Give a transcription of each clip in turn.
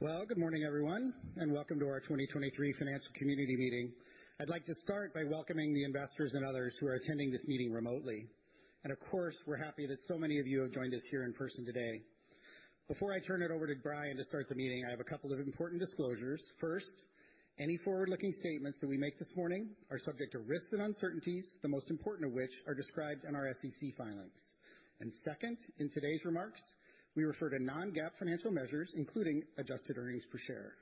Well, good morning everyone, welcome to our 2023 financial community meeting. I'd like to start by welcoming the investors and others who are attending this meeting remotely. Of course, we're happy that so many of you have joined us here in person today. Before I turn it over to Brian to start the meeting, I have a couple of important disclosures. First, any forward-looking statements that we make this morning are subject to risks and uncertainties, the most important of which are described in our SEC filings. Second, in today's remarks, we refer to non-GAAP financial measures, including adjusted earnings per share.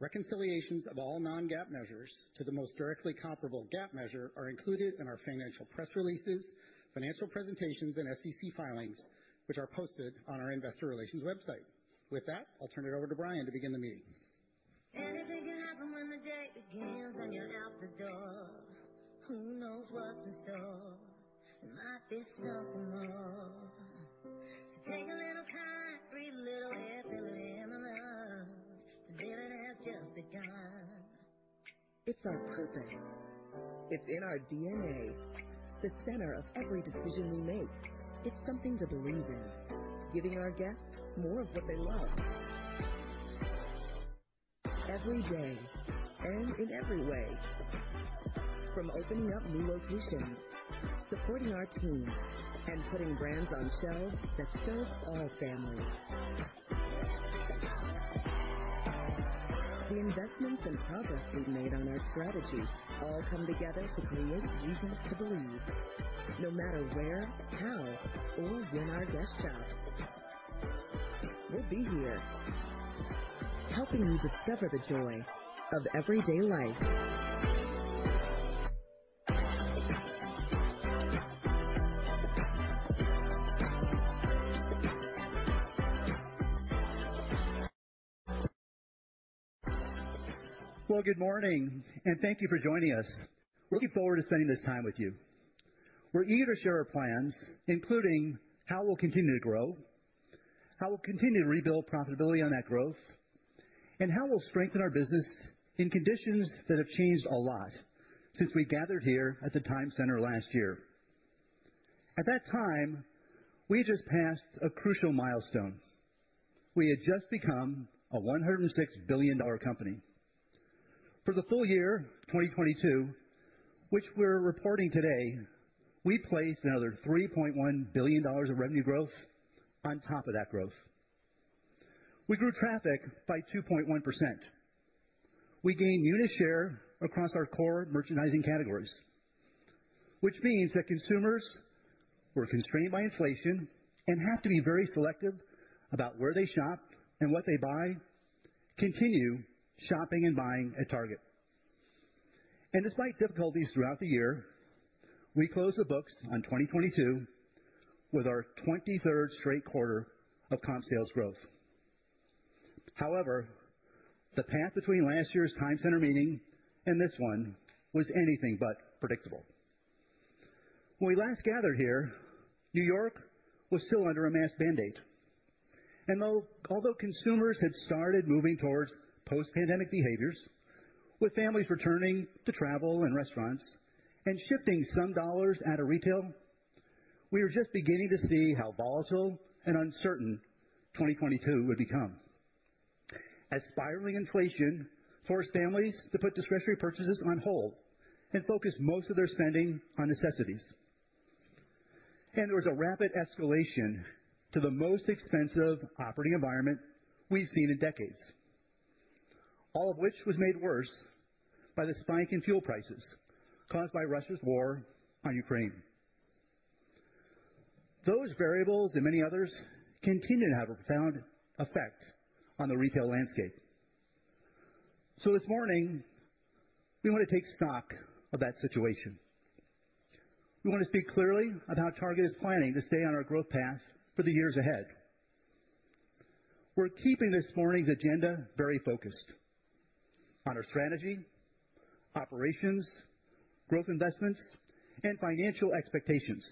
Reconciliations of all non-GAAP measures to the most directly comparable GAAP measure are included in our financial press releases, financial presentations and SEC filings, which are posted on our investor relations website. With that, I'll turn it over to Brian to begin the meeting. Anything can happen when the day begins and you're out the door. Who knows what's in store. Might be something more. Take a little time, breathe a little air, feel it in your lungs. Living has just begun. It's our purpose. It's in our DNA, the center of every decision we make. It's something to believe in. Giving our guests more of what they love. Every day and in every way. From opening up new locations, supporting our teams, and putting brands on shelves that serve all families. The investments and progress we've made on our strategy all come together to create reasons to believe. No matter where, how, or when our guests shop, we'll be here helping you discover the joy of everyday life. Well, good morning and thank you for joining us. Looking forward to spending this time with you. We're eager to share our plans, including how we'll continue to grow, how we'll continue to rebuild profitability on that growth, and how we'll strengthen our business in conditions that have changed a lot since we gathered here at The Times Center last year. At that time, we just passed a crucial milestone. We had just become a $106 billion company. For the full year, 2022, which we're reporting today, we placed another $3.1 billion of revenue growth on top of that growth. We grew traffic by 2.1%. We gained unit share across our core merchandising categories, which means that consumers who are constrained by inflation and have to be very selective about where they shop and what they buy, continue shopping and buying at Target. Despite difficulties throughout the year, we closed the books on 2022 with our 23rd straight quarter of comp sales growth. However, the path between last year's The Times Center meeting and this one was anything but predictable. When we last gathered here, New York was still under a mask mandate, although consumers had started moving towards post-pandemic behaviors with families returning to travel and restaurants and shifting some dollars out of retail, we were just beginning to see how volatile and uncertain 2022 would become as spiraling inflation forced families to put discretionary purchases on hold and focus most of their spending on necessities. There was a rapid escalation to the most expensive operating environment we've seen in decades, all of which was made worse by the spike in fuel prices caused by Russia's war on Ukraine. Those variables and many others continue to have a profound effect on the retail landscape. This morning, we want to take stock of that situation. We want to speak clearly about how Target is planning to stay on our growth path for the years ahead. We're keeping this morning's agenda very focused on our strategy, operations, growth investments, and financial expectations.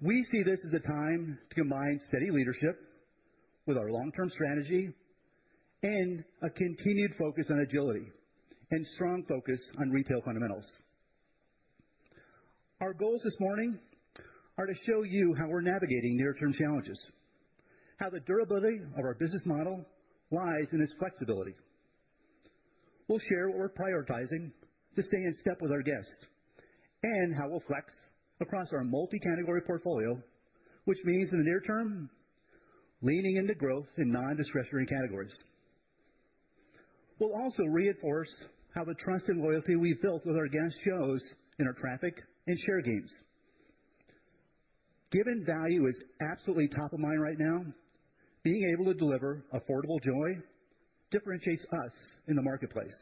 We see this as a time to combine steady leadership with our long-term strategy and a continued focus on agility and strong focus on retail fundamentals. Our goals this morning are to show you how we're navigating near-term challenges, how the durability of our business model lies in its flexibility. We'll share what we're prioritizing to stay in step with our guests and how we'll flex across our multi-category portfolio. In the near term, leaning into growth in non-discretionary categories. We'll also reinforce how the trust and loyalty we've built with our guests shows in our traffic and share gains. Given value is absolutely top of mind right now, being able to deliver affordable joy differentiates us in the marketplace.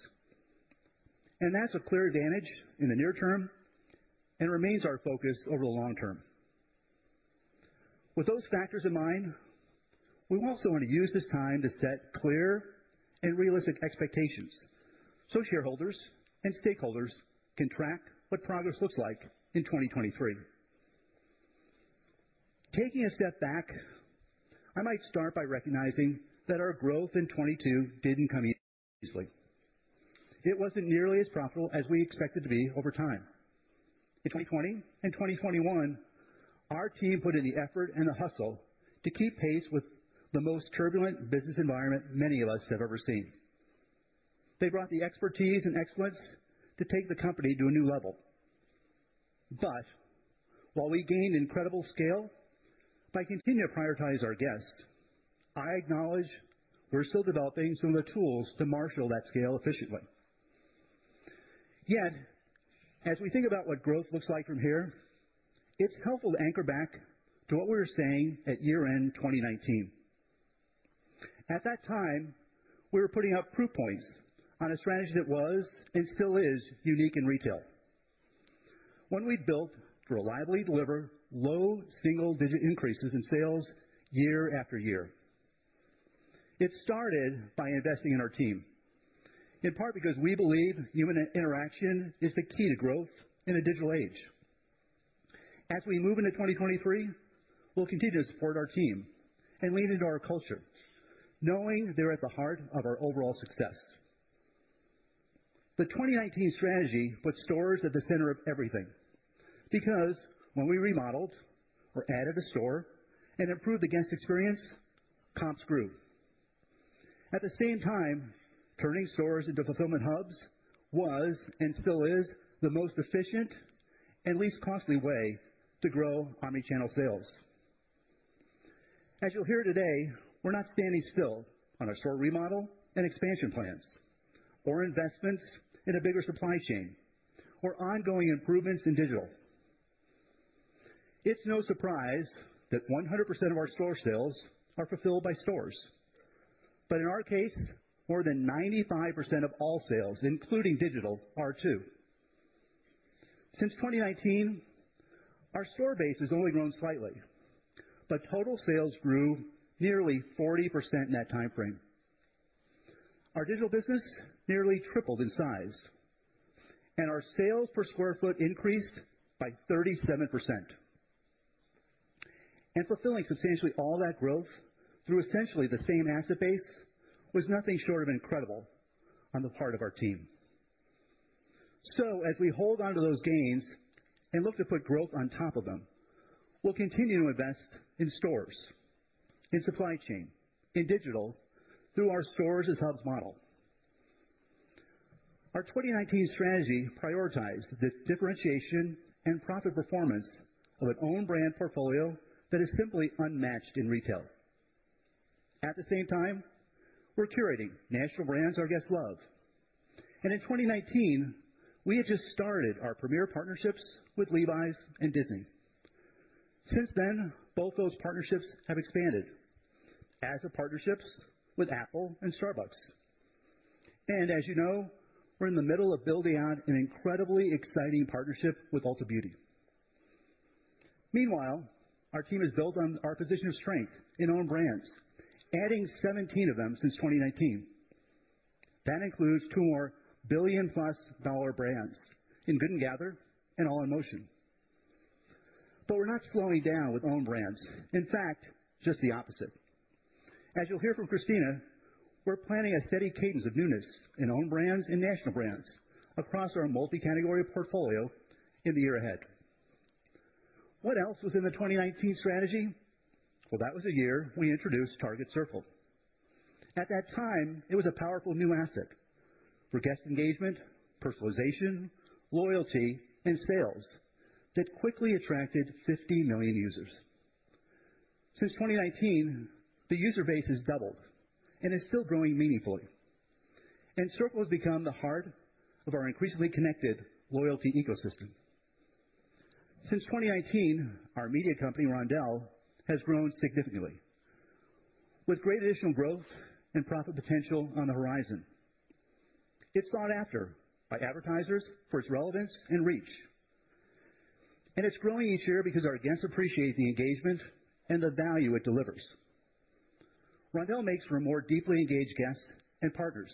That's a clear advantage in the near term and remains our focus over the long term. With those factors in mind, we also want to use this time to set clear and realistic expectations so shareholders and stakeholders can track what progress looks like in 2023. Taking a step back, I might start by recognizing that our growth in 2022 didn't come easily. It wasn't nearly as profitable as we expected to be over time. In 2020 and 2021, our team put in the effort and the hustle to keep pace with the most turbulent business environment many of us have ever seen. They brought the expertise and excellence to take the company to a new level. While we gained incredible scale by continuing to prioritize our guests, I acknowledge we're still developing some of the tools to marshal that scale efficiently. As we think about what growth looks like from here, it's helpful to anchor back to what we were saying at year-end 2019. At that time, we were putting up proof points on a strategy that was, and still is, unique in retail. One we built to reliably deliver low single-digit increases in sales year after year. It started by investing in our team, in part because we believe human interaction is the key to growth in a digital age. As we move into 2023, we'll continue to support our team and lean into our culture, knowing they're at the heart of our overall success. The 2019 strategy put stores at the center of everything because when we remodeled or added a store and improved the guest experience, comps grew. At the same time, turning stores into fulfillment hubs was and still is the most efficient and least costly way to grow omnichannel sales. As you'll hear today, we're not standing still on our store remodel and expansion plans or investments in a bigger supply chain or ongoing improvements in digital. It's no surprise that 100% of our store sales are fulfilled by stores. In our case, more than 95% of all sales, including digital, are too. Since 2019, our store base has only grown slightly, but total sales grew nearly 40% in that timeframe. Our digital business nearly tripled in size, and our sales per square foot increased by 37%. Fulfilling substantially all that growth through essentially the same asset base was nothing short of incredible on the part of our team. As we hold onto those gains and look to put growth on top of them, we'll continue to invest in stores, in supply chain, in digital through our stores-as-hubs model. Our 2019 strategy prioritized the differentiation and profit performance of an own brand portfolio that is simply unmatched in retail. At the same time, we're curating national brands our guests love. In 2019, we had just started our premier partnerships with Levi's and Disney. Since then, both those partnerships have expanded as have partnerships with Apple and Starbucks. As you know, we're in the middle of building out an incredibly exciting partnership with Ulta Beauty. Meanwhile, our team has built on our position of strength in own brands, adding 17 of them since 2019. That includes $2+ billion more brands in Good & Gather and All in Motion. We're not slowing down with own brands. In fact, just the opposite. As you'll hear from Christina, we're planning a steady cadence of newness in own brands and national brands across our multi-category portfolio in the year ahead. What else was in the 2019 strategy? Well, that was the year we introduced Target Circle. At that time, it was a powerful new asset for guest engagement, personalization, loyalty, and sales that quickly attracted 50 million users. Since 2019, the user base has doubled and is still growing meaningfully, and Circle has become the heart of our increasingly connected loyalty ecosystem. Since 2019, our media company, Roundel, has grown significantly with great additional growth and profit potential on the horizon. It's sought after by advertisers for its relevance and reach, and it's growing each year because our guests appreciate the engagement and the value it delivers. Roundel makes for more deeply engaged guests and partners,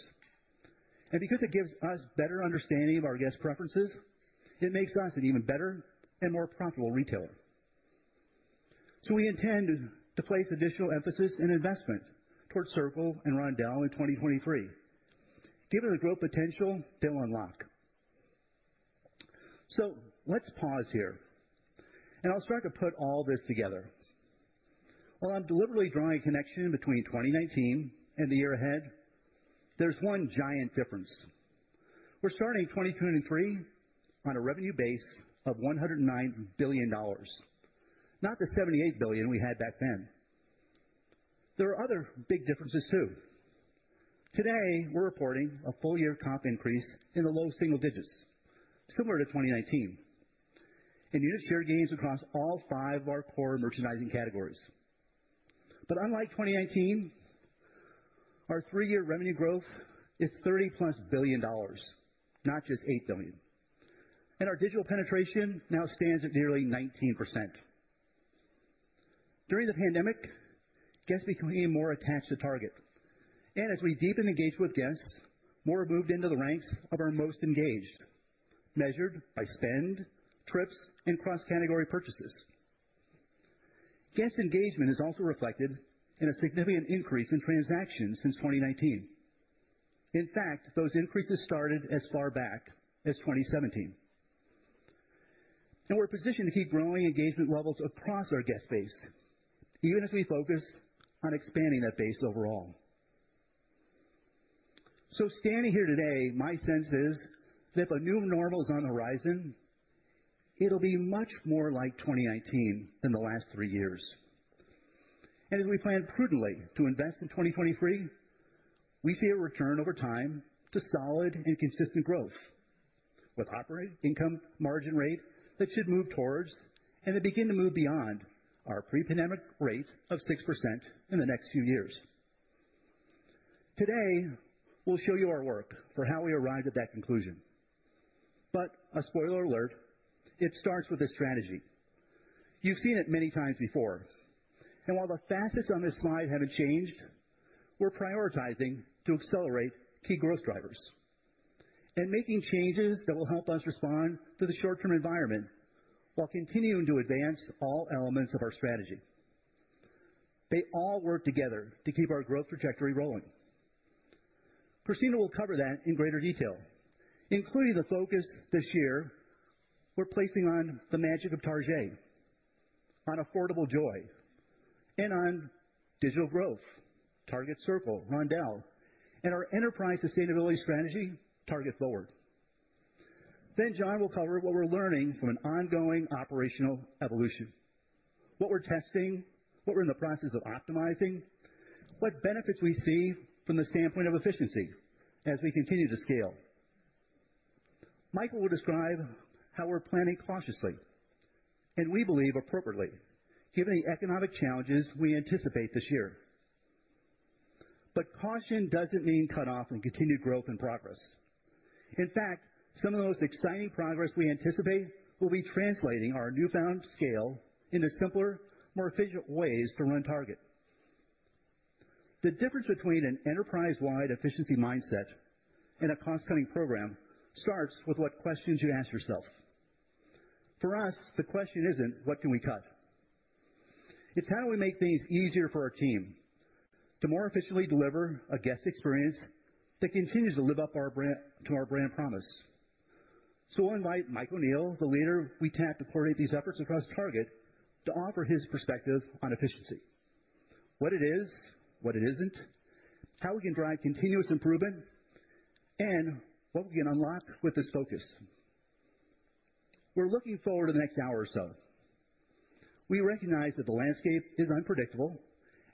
and because it gives us better understanding of our guest preferences, it makes us an even better and more profitable retailer. We intend to place additional emphasis and investment towards Circle and Roundel in 2023 given the growth potential they'll unlock. Let's pause here, and I'll start to put all this together. While I'm deliberately drawing a connection between 2019 and the year ahead, there's one giant difference. We're starting 2023 on a revenue base of $109 billion, not the $78 billion we had back then. There are other big differences too. Today, we're reporting a full year comp increase in the low single digits, similar to 2019, and unit share gains across all five of our core merchandising categories. Unlike 2019, our three-year revenue growth is $30+ billion, not just $8 billion. Our digital penetration now stands at nearly 19%. During the pandemic, guests became even more attached to Target. As we deepen engagement with guests, more have moved into the ranks of our most engaged, measured by spend, trips, and cross-category purchases. Guest engagement is also reflected in a significant increase in transactions since 2019. In fact, those increases started as far back as 2017. We're positioned to keep growing engagement levels across our guest base, even as we focus on expanding that base overall. Standing here today, my sense is that the new normal is on the horizon. It'll be much more like 2019 than the last three years. As we plan prudently to invest in 2023, we see a return over time to solid and consistent growth with operating income margin rate that should move towards and to begin to move beyond our pre-pandemic rate of 6% in the next few years. Today, we'll show you our work for how we arrived at that conclusion. A spoiler alert, it starts with a strategy. You've seen it many times before, while the facets on this slide haven't changed, we're prioritizing to accelerate key growth drivers and making changes that will help us respond to the short-term environment while continuing to advance all elements of our strategy. They all work together to keep our growth trajectory rolling. Christina will cover that in greater detail, including the focus this year we're placing on the magic of Tarjay, on affordable joy, and on digital growth, Target Circle, Roundel, and our enterprise sustainability strategy, Target Forward. John will cover what we're learning from an ongoing operational evolution, what we're testing, what we're in the process of optimizing, what benefits we see from the standpoint of efficiency as we continue to scale. Michael will describe how we're planning cautiously, and we believe appropriately, given the economic challenges we anticipate this year. Caution doesn't mean cut off and continued growth and progress. In fact, some of the most exciting progress we anticipate will be translating our newfound scale into simpler, more efficient ways to run Target. The difference between an enterprise-wide efficiency mindset and a cost-cutting program starts with what questions you ask yourself. For us, the question isn't what can we cut? It's how do we make things easier for our team to more efficiently deliver a guest experience that continues to live up to our brand promise? I invite Michael O'Neil, the leader we tapped to coordinate these efforts across Target, to offer his perspective on efficiency, what it is, what it isn't, how we can drive continuous improvement, and what we can unlock with this focus. We're looking forward to the next hour or so. We recognize that the landscape is unpredictable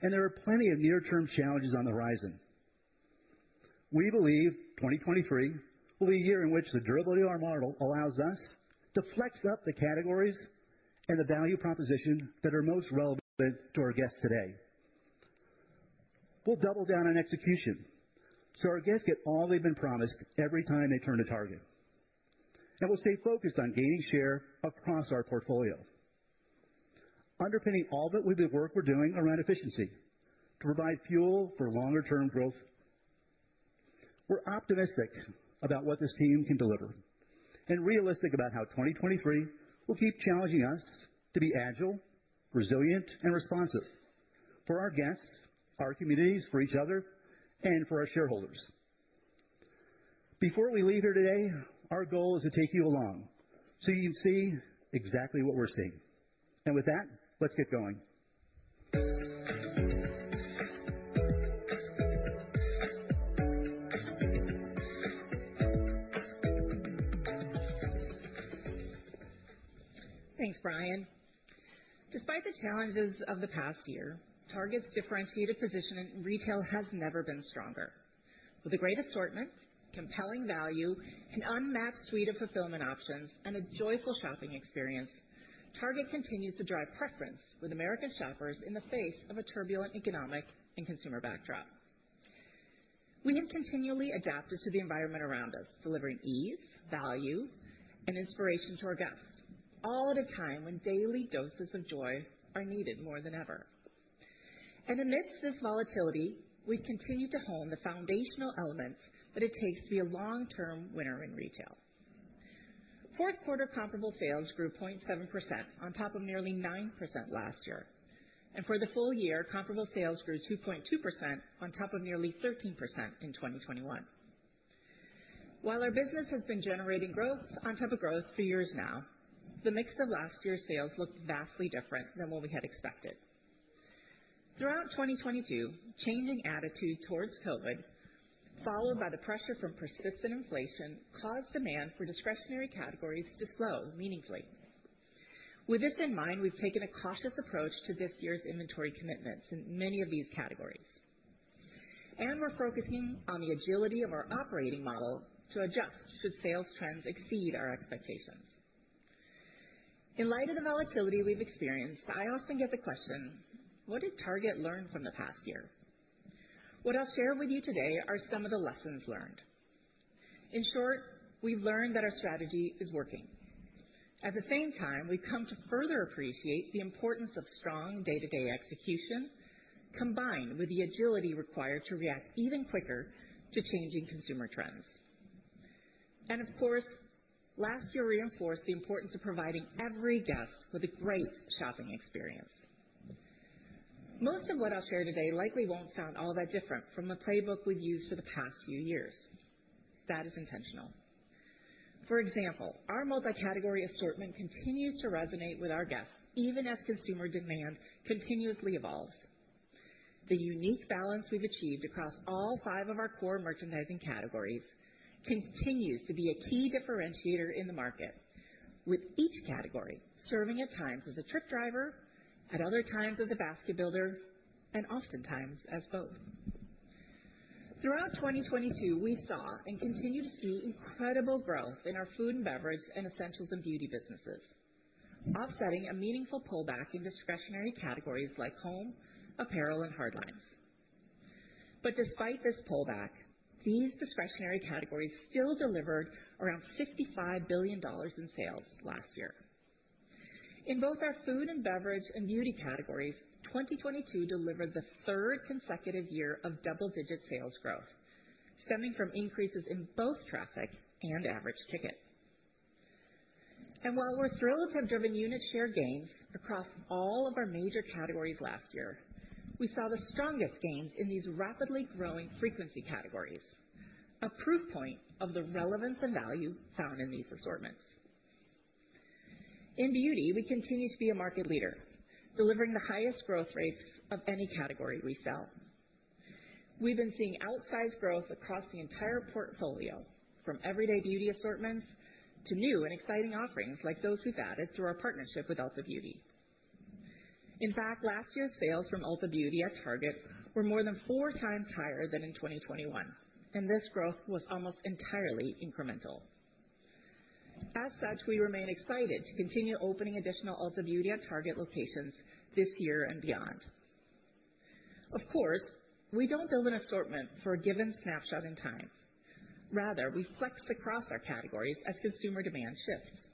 and there are plenty of near-term challenges on the horizon. We believe 2023 will be a year in which the durability of our model allows us to flex up the categories and the value proposition that are most relevant to our guests today. We'll double down on execution, so our guests get all they've been promised every time they turn to Target. We'll stay focused on gaining share across our portfolio, underpinning all the good work we're doing around efficiency to provide fuel for longer term growth. We're optimistic about what this team can deliver and realistic about how 2023 will keep challenging us to be agile, resilient, and responsive for our guests, our communities, for each other, and for our shareholders. Before we leave here today, our goal is to take you along so you can see exactly what we're seeing. With that, let's get going. Thanks, Brian. Despite the challenges of the past year, Target's differentiated position in retail has never been stronger. With a great assortment, compelling value, an unmatched suite of fulfillment options, and a joyful shopping experience, Target continues to drive preference with American shoppers in the face of a turbulent economic and consumer backdrop. We have continually adapted to the environment around us, delivering ease, value, and inspiration to our guests, all at a time when daily doses of joy are needed more than ever. Amidst this volatility, we've continued to hone the foundational elements that it takes to be a long-term winner in retail. Fourth quarter comparable sales grew 0.7% on top of nearly 9% last year. For the full year, comparable sales grew 2.2% on top of nearly 13% in 2021. While our business has been generating growth on top of growth for years now, the mix of last year's sales looked vastly different than what we had expected. Throughout 2022, changing attitude towards COVID, followed by the pressure from persistent inflation, caused demand for discretionary categories to slow meaningfully. With this in mind, we've taken a cautious approach to this year's inventory commitments in many of these categories. We're focusing on the agility of our operating model to adjust should sales trends exceed our expectations. In light of the volatility we've experienced, I often get the question: What did Target learn from the past year? What I'll share with you today are some of the lessons learned. In short, we've learned that our strategy is working. At the same time, we've come to further appreciate the importance of strong day-to-day execution, combined with the agility required to react even quicker to changing consumer trends. Of course, last year reinforced the importance of providing every guest with a great shopping experience. Most of what I'll share today likely won't sound all that different from the playbook we've used for the past few years. That is intentional. For example, our multi-category assortment continues to resonate with our guests, even as consumer demand continuously evolves. The unique balance we've achieved across all five of our core merchandising categories continues to be a key differentiator in the market, with each category serving at times as a trip driver, at other times as a basket builder, and oftentimes as both. Throughout 2022, we saw and continue to see incredible growth in our food and beverage and essentials and beauty businesses, offsetting a meaningful pullback in discretionary categories like Home, Apparel, and Hard Lines. Despite this pullback, these discretionary categories still delivered around $55 billion in sales last year. In both our food and beverage and beauty categories, 2022 delivered the third consecutive year of double-digit sales growth, stemming from increases in both traffic and average ticket. While we're thrilled to have driven unit share gains across all of our major categories last year, we saw the strongest gains in these rapidly growing frequency categories, a proof point of the relevance and value found in these assortments. In beauty, we continue to be a market leader, delivering the highest growth rates of any category we sell. We've been seeing outsized growth across the entire portfolio from everyday beauty assortments to new and exciting offerings like those we've added through our partnership with Ulta Beauty. In fact, last year's sales from Ulta Beauty at Target were more than four times higher than in 2021, and this growth was almost entirely incremental. As such, we remain excited to continue opening additional Ulta Beauty at Target locations this year and beyond. Of course, we don't build an assortment for a given snapshot in time. Rather, we flex across our categories as consumer demand shifts.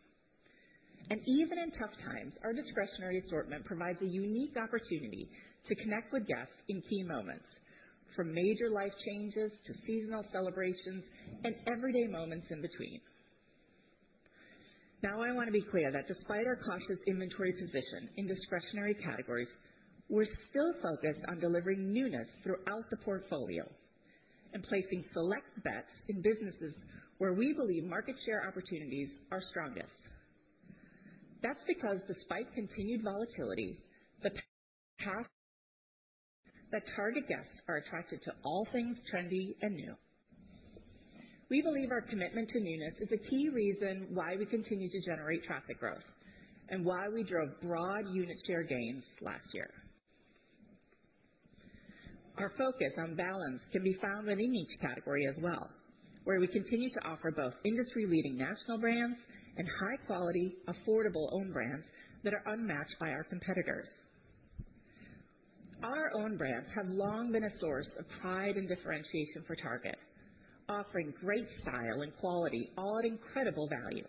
Even in tough times, our discretionary assortment provides a unique opportunity to connect with guests in key moments, from major life changes to seasonal celebrations and everyday moments in between. Now, I wanna be clear that despite our cautious inventory position in discretionary categories, we're still focused on delivering newness throughout the portfolio and placing select bets in businesses where we believe market share opportunities are strongest. That's because despite continued volatility, that Target guests are attracted to all things trendy and new. We believe our commitment to newness is a key reason why we continue to generate traffic growth and why we drove broad unit share gains last year. Our focus on balance can be found within each category as well, where we continue to offer both industry-leading national brands and high-quality, affordable own brands that are unmatched by our competitors. Our own brands have long been a source of pride and differentiation for Target, offering great style and quality, all at incredible value.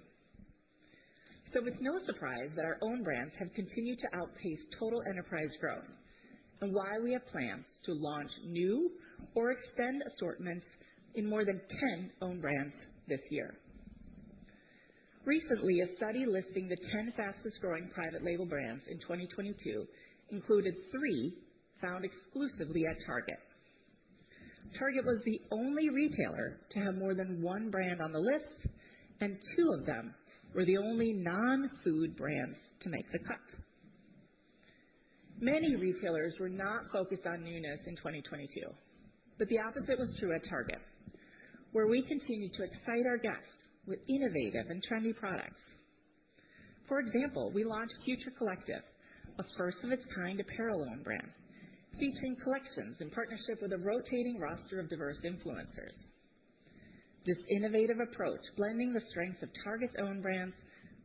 It's no surprise that our own brands have continued to outpace total enterprise growth and why we have plans to launch new or extend assortments in more than 10 own brands this year. Recently, a study listing the 10 fastest growing private label brands in 2022 included three found exclusively at Target. Target was the only retailer to have more than one brand on the list, and two of them were the only non-food brands to make the cut. Many retailers were not focused on newness in 2022, but the opposite was true at Target, where we continued to excite our guests with innovative and trendy products. For example, we launched Future Collective, a first of its kind apparel own brand featuring collections in partnership with a rotating roster of diverse influencers. This innovative approach, blending the strengths of Target's own brands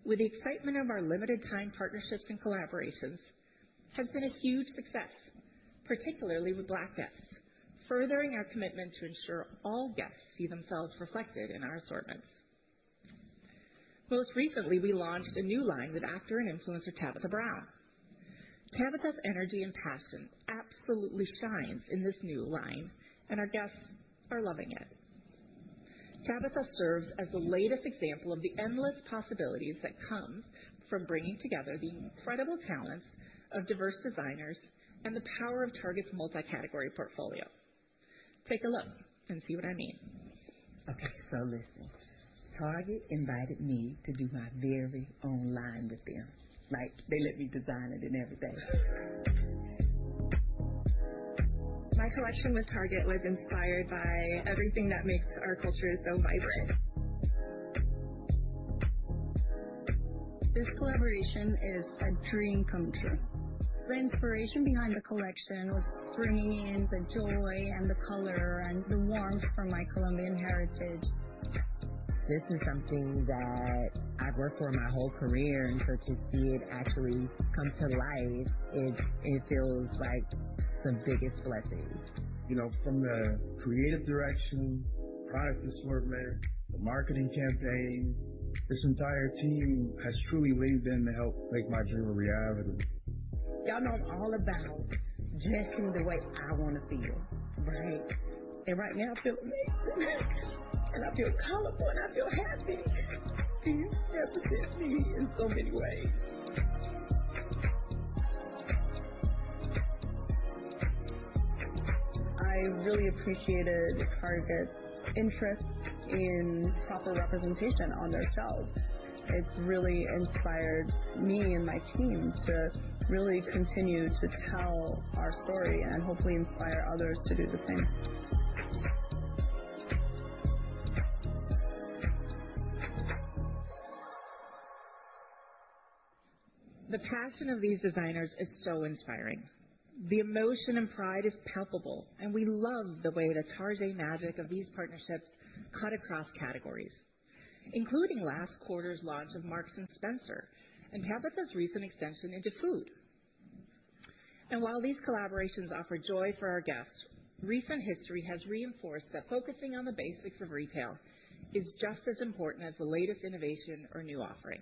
with the excitement of our limited time partnerships and collaborations, has been a huge success, particularly with Black guests, furthering our commitment to ensure all guests see themselves reflected in our assortments. Most recently, we launched a new line with actor and influencer Tabitha Brown. Tabitha's energy and passion absolutely shines in this new line, and our guests are loving it. Tabitha serves as the latest example of the endless possibilities that comes from bringing together the incredible talents of diverse designers and the power of Target's multi-category portfolio. Take a look and see what I mean. Okay, listen, Target invited me to do my very own line with them. Like they let me design it and everything. My collection with Target was inspired by everything that makes our culture so vibrant. This collaboration is a dream come true. The inspiration behind the collection was bringing in the joy and the color and the warmth from my Colombian heritage. This is something that I've worked for my whole career, and so to see it actually come to life, it feels like the biggest blessing. You know, from the creative direction, product assortment, the marketing campaign, this entire team has truly leaned in to help make my dream a reality. Y'all know I'm all about dressing the way I wanna feel, right? Right now I feel amazing, and I feel colorful, and I feel happy. You represent me in so many ways. I really appreciated Target's interest in proper representation on their shelves. It's really inspired me and my team to really continue to tell our story and hopefully inspire others to do the same. The passion of these designers is so inspiring. The emotion and pride is palpable, we love the way the Target magic of these partnerships cut across categories, including last quarter's launch of Marks & Spencer and Tabitha's recent extension into food. While these collaborations offer joy for our guests, recent history has reinforced that focusing on the basics of retail is just as important as the latest innovation or new offering.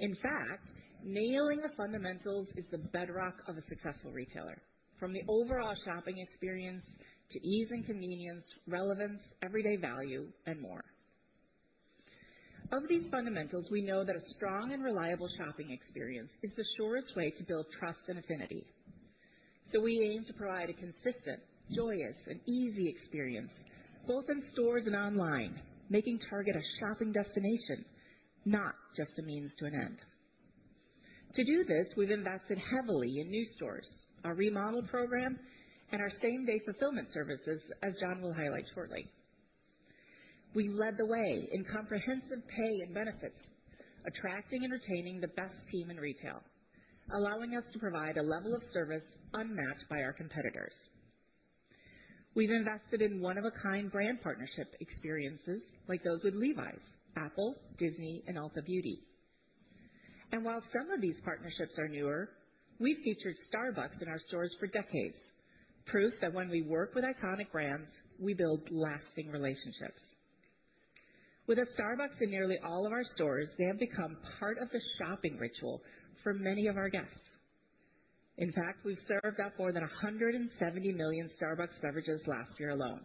In fact, nailing the fundamentals is the bedrock of a successful retailer. From the overall shopping experience to ease and convenience, relevance, everyday value, and more. Of these fundamentals, we know that a strong and reliable shopping experience is the surest way to build trust and affinity. We aim to provide a consistent, joyous, and easy experience, both in stores and online, making Target a shopping destination, not just a means to an end. To do this, we've invested heavily in new stores, our remodel program, and our same-day fulfillment services, as John will highlight shortly. We've led the way in comprehensive pay and benefits, attracting and retaining the best team in retail, allowing us to provide a level of service unmatched by our competitors. We've invested in one-of-a-kind brand partnership experiences like those with Levi's, Apple, Disney, and Ulta Beauty. While some of these partnerships are newer, we've featured Starbucks in our stores for decades. Proof that when we work with iconic brands, we build lasting relationships. With a Starbucks in nearly all of our stores, they have become part of the shopping ritual for many of our guests. In fact, we've served up more than 170 million Starbucks beverages last year alone.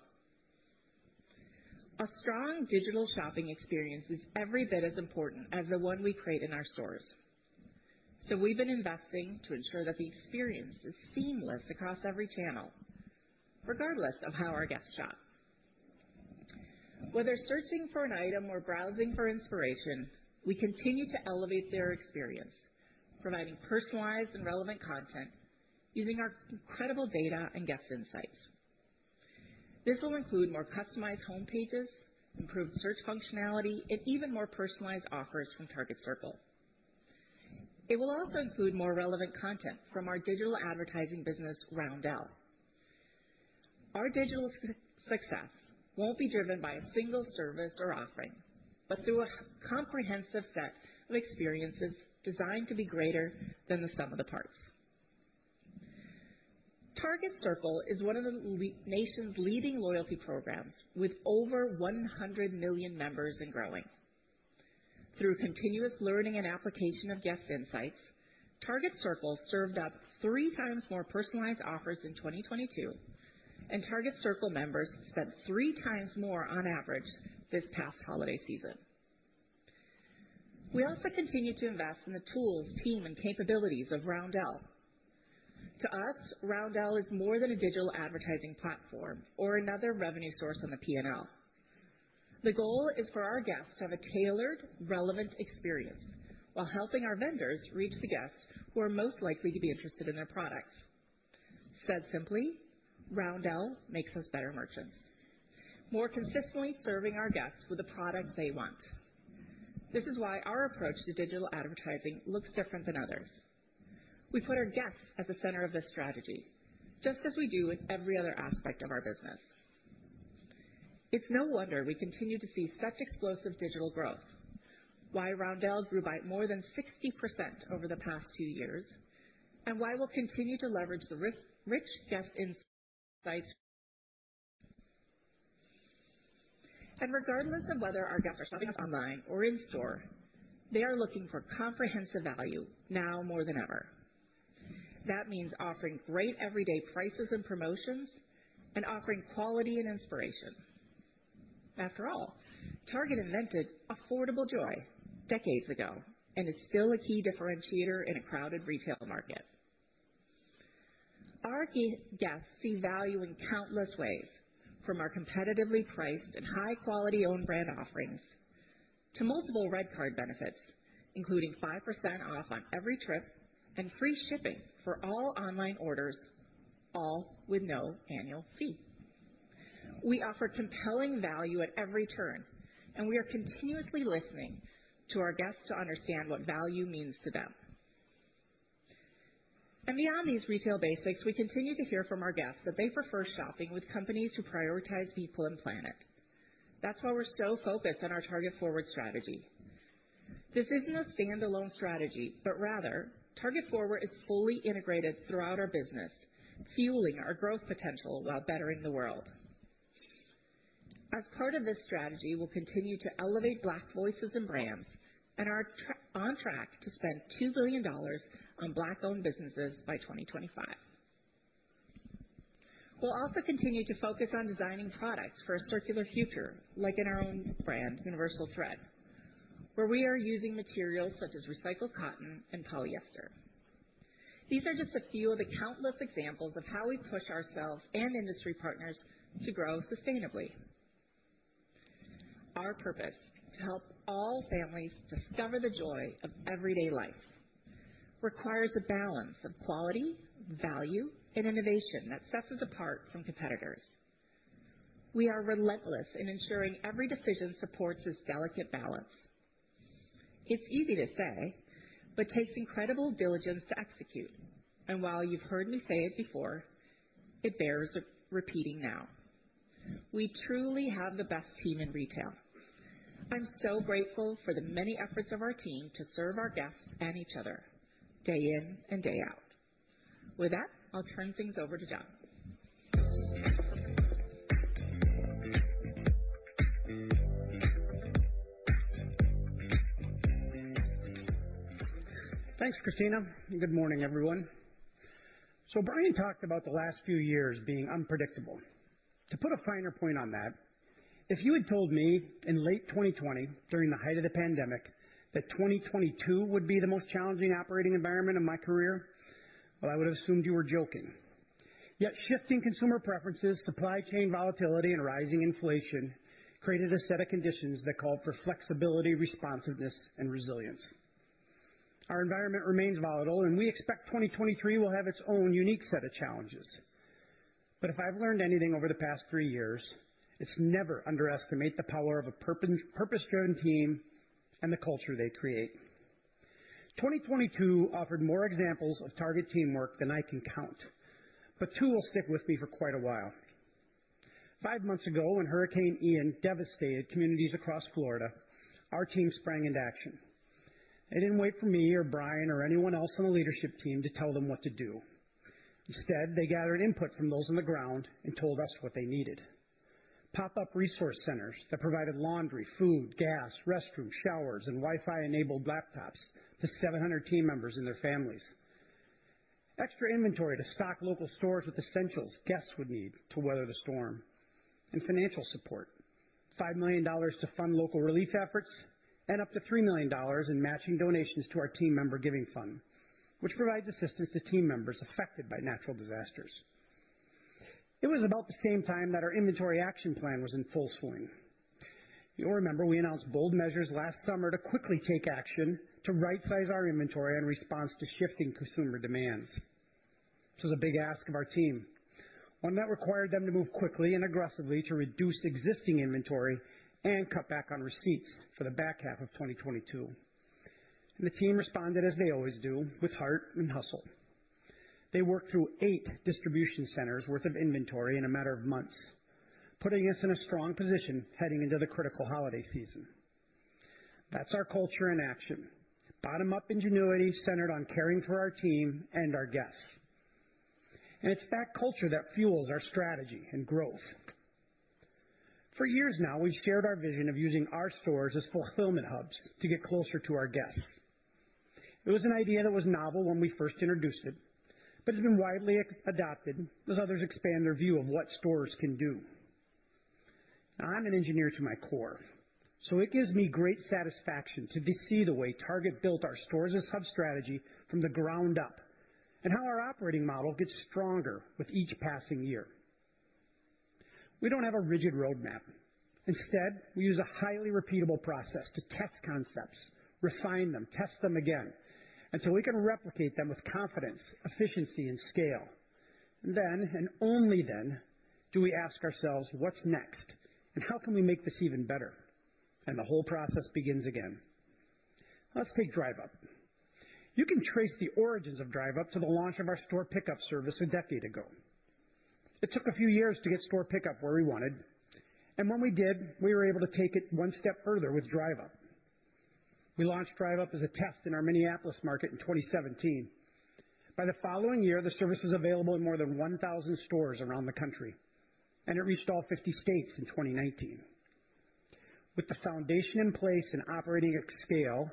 A strong digital shopping experience is every bit as important as the one we create in our stores. We've been investing to ensure that the experience is seamless across every channel, regardless of how our guests shop. Whether searching for an item or browsing for inspiration, we continue to elevate their experience, providing personalized and relevant content using our incredible data and guest insights. This will include more customized home pages, improved search functionality, and even more personalized offers from Target Circle. It will also include more relevant content from our digital advertising business, Roundel. Our digital success won't be driven by a single service or offering, but through a comprehensive set of experiences designed to be greater than the sum of the parts. Target Circle is one of the nation's leading loyalty programs with over 100 million members and growing. Through continuous learning and application of guest insights, Target Circle served up three times more personalized offers in 2022. Target Circle members spent three times more on average this past holiday season. We also continue to invest in the tools, team, and capabilities of Roundel. To us, Roundel is more than a digital advertising platform or another revenue source on the P&L. The goal is for our guests to have a tailored, relevant experience while helping our vendors reach the guests who are most likely to be interested in their products. Said simply, Roundel makes us better merchants, more consistently serving our guests with the product they want. This is why our approach to digital advertising looks different than others. We put our guests at the center of this strategy, just as we do with every other aspect of our business. It's no wonder we continue to see such explosive digital growth, why Roundel grew by more than 60% over the past few years, and why we'll continue to leverage the rich guest insights. Regardless of whether our guests are shopping online or in store, they are looking for comprehensive value now more than ever. That means offering great everyday prices and promotions and offering quality and inspiration. After all, Target invented affordable joy decades ago and is still a key differentiator in a crowded retail market. Our key guests see value in countless ways, from our competitively priced and high-quality own brand offerings to multiple RedCard benefits, including 5% off on every trip and free shipping for all online orders, all with no annual fee. We offer compelling value at every turn, and we are continuously listening to our guests to understand what value means to them. Beyond these retail basics, we continue to hear from our guests that they prefer shopping with companies who prioritize people and planet. That's why we're so focused on our Target Forward strategy. This isn't a standalone strategy, but rather Target Forward is fully integrated throughout our business, fueling our growth potential while bettering the world. As part of this strategy, we'll continue to elevate Black voices and brands and are on track to spend $2 billion on Black-owned businesses by 2025. We'll also continue to focus on designing products for a circular future, like in our own brand, Universal Thread, where we are using materials such as recycled cotton and polyester. These are just a few of the countless examples of how we push ourselves and industry partners to grow sustainably. Our purpose, to help all families discover the joy of everyday life, requires a balance of quality, value, and innovation that sets us apart from competitors. We are relentless in ensuring every decision supports this delicate balance. It's easy to say, but takes incredible diligence to execute. While you've heard me say it before, it bears repeating now. We truly have the best team in retail. I'm so grateful for the many efforts of our team to serve our guests and each other day in and day out. With that, I'll turn things over to John. Thanks, Christina, and good morning, everyone. Brian talked about the last three years being unpredictable. To put a finer point on that, if you had told me in late 2020, during the height of the pandemic, that 2022 would be the most challenging operating environment of my career, well, I would have assumed you were joking. Yet shifting consumer preferences, supply chain volatility, and rising inflation created a set of conditions that called for flexibility, responsiveness, and resilience. Our environment remains volatile and we expect 2023 will have its own unique set of challenges. If I've learned anything over the past three years, it's never underestimate the power of a purpose-driven team and the culture they create. 2022 offered more examples of Target teamwork than I can count, but two will stick with me for quite a while. Five months ago, when Hurricane Ian devastated communities across Florida, our team sprang into action. They didn't wait for me or Brian or anyone else on the leadership team to tell them what to do. Instead, they gathered input from those on the ground and told us what they needed. Pop-up resource centers that provided laundry, food, gas, restrooms, showers, and Wi-Fi enabled laptops to 700 team members and their families. Extra inventory to stock local stores with essentials guests would need to weather the storm. Financial support, $5 million to fund local relief efforts and up to $3 million in matching donations to our team member giving fund, which provides assistance to team members affected by natural disasters. It was about the same time that our inventory action plan was in full swing. You'll remember we announced bold measures last summer to quickly take action to right-size our inventory in response to shifting consumer demands. This was a big ask of our team, one that required them to move quickly and aggressively to reduce existing inventory and cut back on receipts for the back half of 2022. The team responded as they always do with heart and hustle. They worked through eight distribution centers worth of inventory in a matter of months, putting us in a strong position heading into the critical holiday season. That's our culture in action. Bottom-up ingenuity centered on caring for our team and our guests. It's that culture that fuels our strategy and growth. For years now, we've shared our vision of using our stores as fulfillment hubs to get closer to our guests. It was an idea that was novel when we first introduced it, but it's been widely adopted as others expand their view of what stores can do. I'm an engineer to my core, so it gives me great satisfaction to see the way Target built our stores-as-hubs strategy from the ground up and how our operating model gets stronger with each passing year. We don't have a rigid roadmap. Instead, we use a highly repeatable process to test concepts, refine them, test them again, until we can replicate them with confidence, efficiency, and scale. Only then, do we ask ourselves, "What's next?" "How can we make this even better?" The whole process begins again. Let's take Drive Up. You can trace the origins of Drive Up to the launch of our store pickup service a decade ago. It took a few years to get store pickup where we wanted. When we did, we were able to take it one step further with Drive Up. We launched Drive Up as a test in our Minneapolis market in 2017. By the following year, the service was available in more than 1,000 stores around the country, and it reached all 50 states in 2019. With the foundation in place and operating at scale,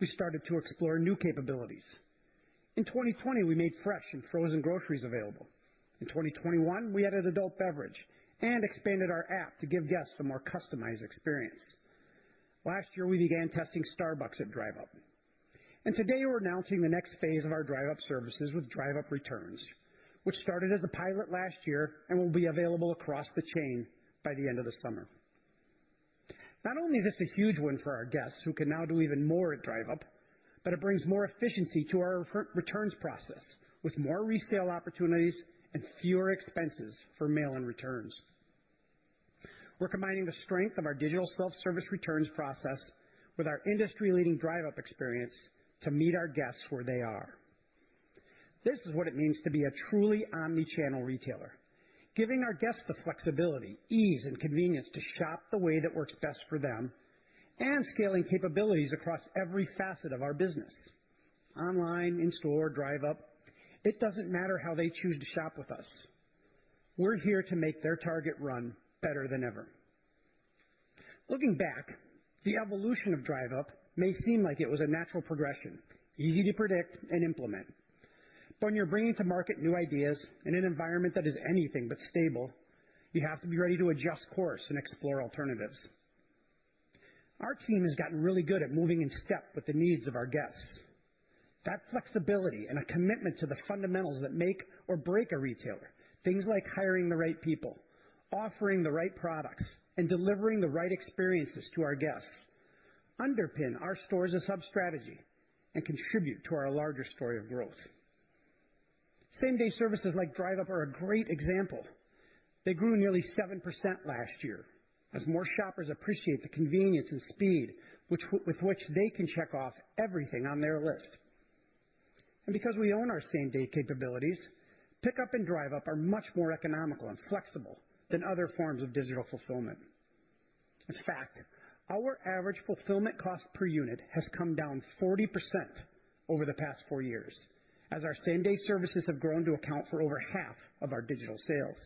we started to explore new capabilities. 2020, we made fresh and frozen groceries available. 2021, we added adult beverage and expanded our app to give guests a more customized experience. Last year, we began testing Starbucks at Drive Up. Today, we're announcing the next phase of our Drive Up services with Drive Up Returns, which started as a pilot last year and will be available across the chain by the end of the summer. Not only is this a huge win for our guests who can now do even more at Drive Up, but it brings more efficiency to our returns process with more resale opportunities and fewer expenses for mail-in returns. We're combining the strength of our digital self-service returns process with our industry-leading Drive Up experience to meet our guests where they are. This is what it means to be a truly omnichannel retailer, giving our guests the flexibility, ease, and convenience to shop the way that works best for them, and scaling capabilities across every facet of our business. Online, in-store, Drive Up, it doesn't matter how they choose to shop with us. We're here to make their Target run better than ever. Looking back, the evolution of Drive Up may seem like it was a natural progression, easy to predict and implement. When you're bringing to market new ideas in an environment that is anything but stable, you have to be ready to adjust course and explore alternatives. Our team has gotten really good at moving in step with the needs of our guests. That flexibility and a commitment to the fundamentals that make or break a retailer, things like hiring the right people, offering the right products, and delivering the right experiences to our guests underpin our stores-as-hubs strategy and contribute to our larger story of growth. Same-day services like Drive Up are a great example. They grew nearly 7% last year as more shoppers appreciate the convenience and speed with which they can check off everything on their list. Because we own our same-day capabilities, Pickup and Drive Up are much more economical and flexible than other forms of digital fulfillment. In fact, our average fulfillment cost per unit has come down 40% over the past four years as our same-day services have grown to account for over half of our digital sales.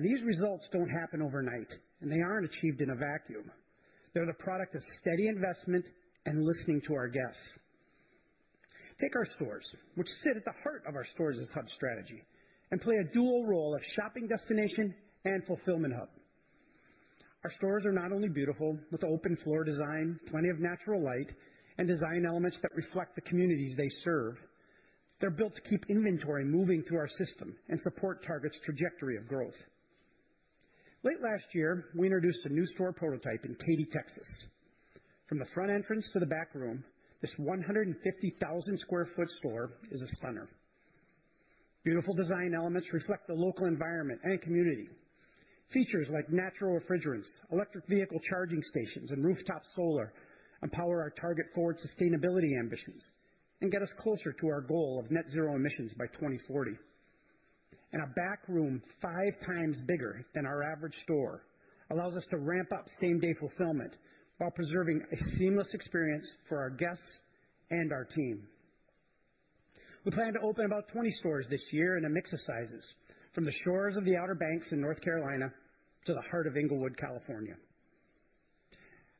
These results don't happen overnight, and they aren't achieved in a vacuum. They're the product of steady investment and listening to our guests. Take our stores, which sit at the heart of our stores-as-hubs strategy and play a dual role of shopping destination and fulfillment hub. Our stores are not only beautiful with open floor design, plenty of natural light, and design elements that reflect the communities they serve, they're built to keep inventory moving through our system and support Target's trajectory of growth. Late last year, we introduced a new store prototype in Katy, Texas. From the front entrance to the back room, this 150,000 sq ft store is a stunner. Beautiful design elements reflect the local environment and community. Features like natural refrigerants, electric vehicle charging stations, and rooftop solar empower our Target Forward sustainability ambitions and get us closer to our goal of net zero emissions by 2040. A back room five times bigger than our average store allows us to ramp up same-day fulfillment while preserving a seamless experience for our guests and our team. We plan to open about 20 stores this year in a mix of sizes, from the shores of the Outer Banks in North Carolina to the heart of Inglewood, California.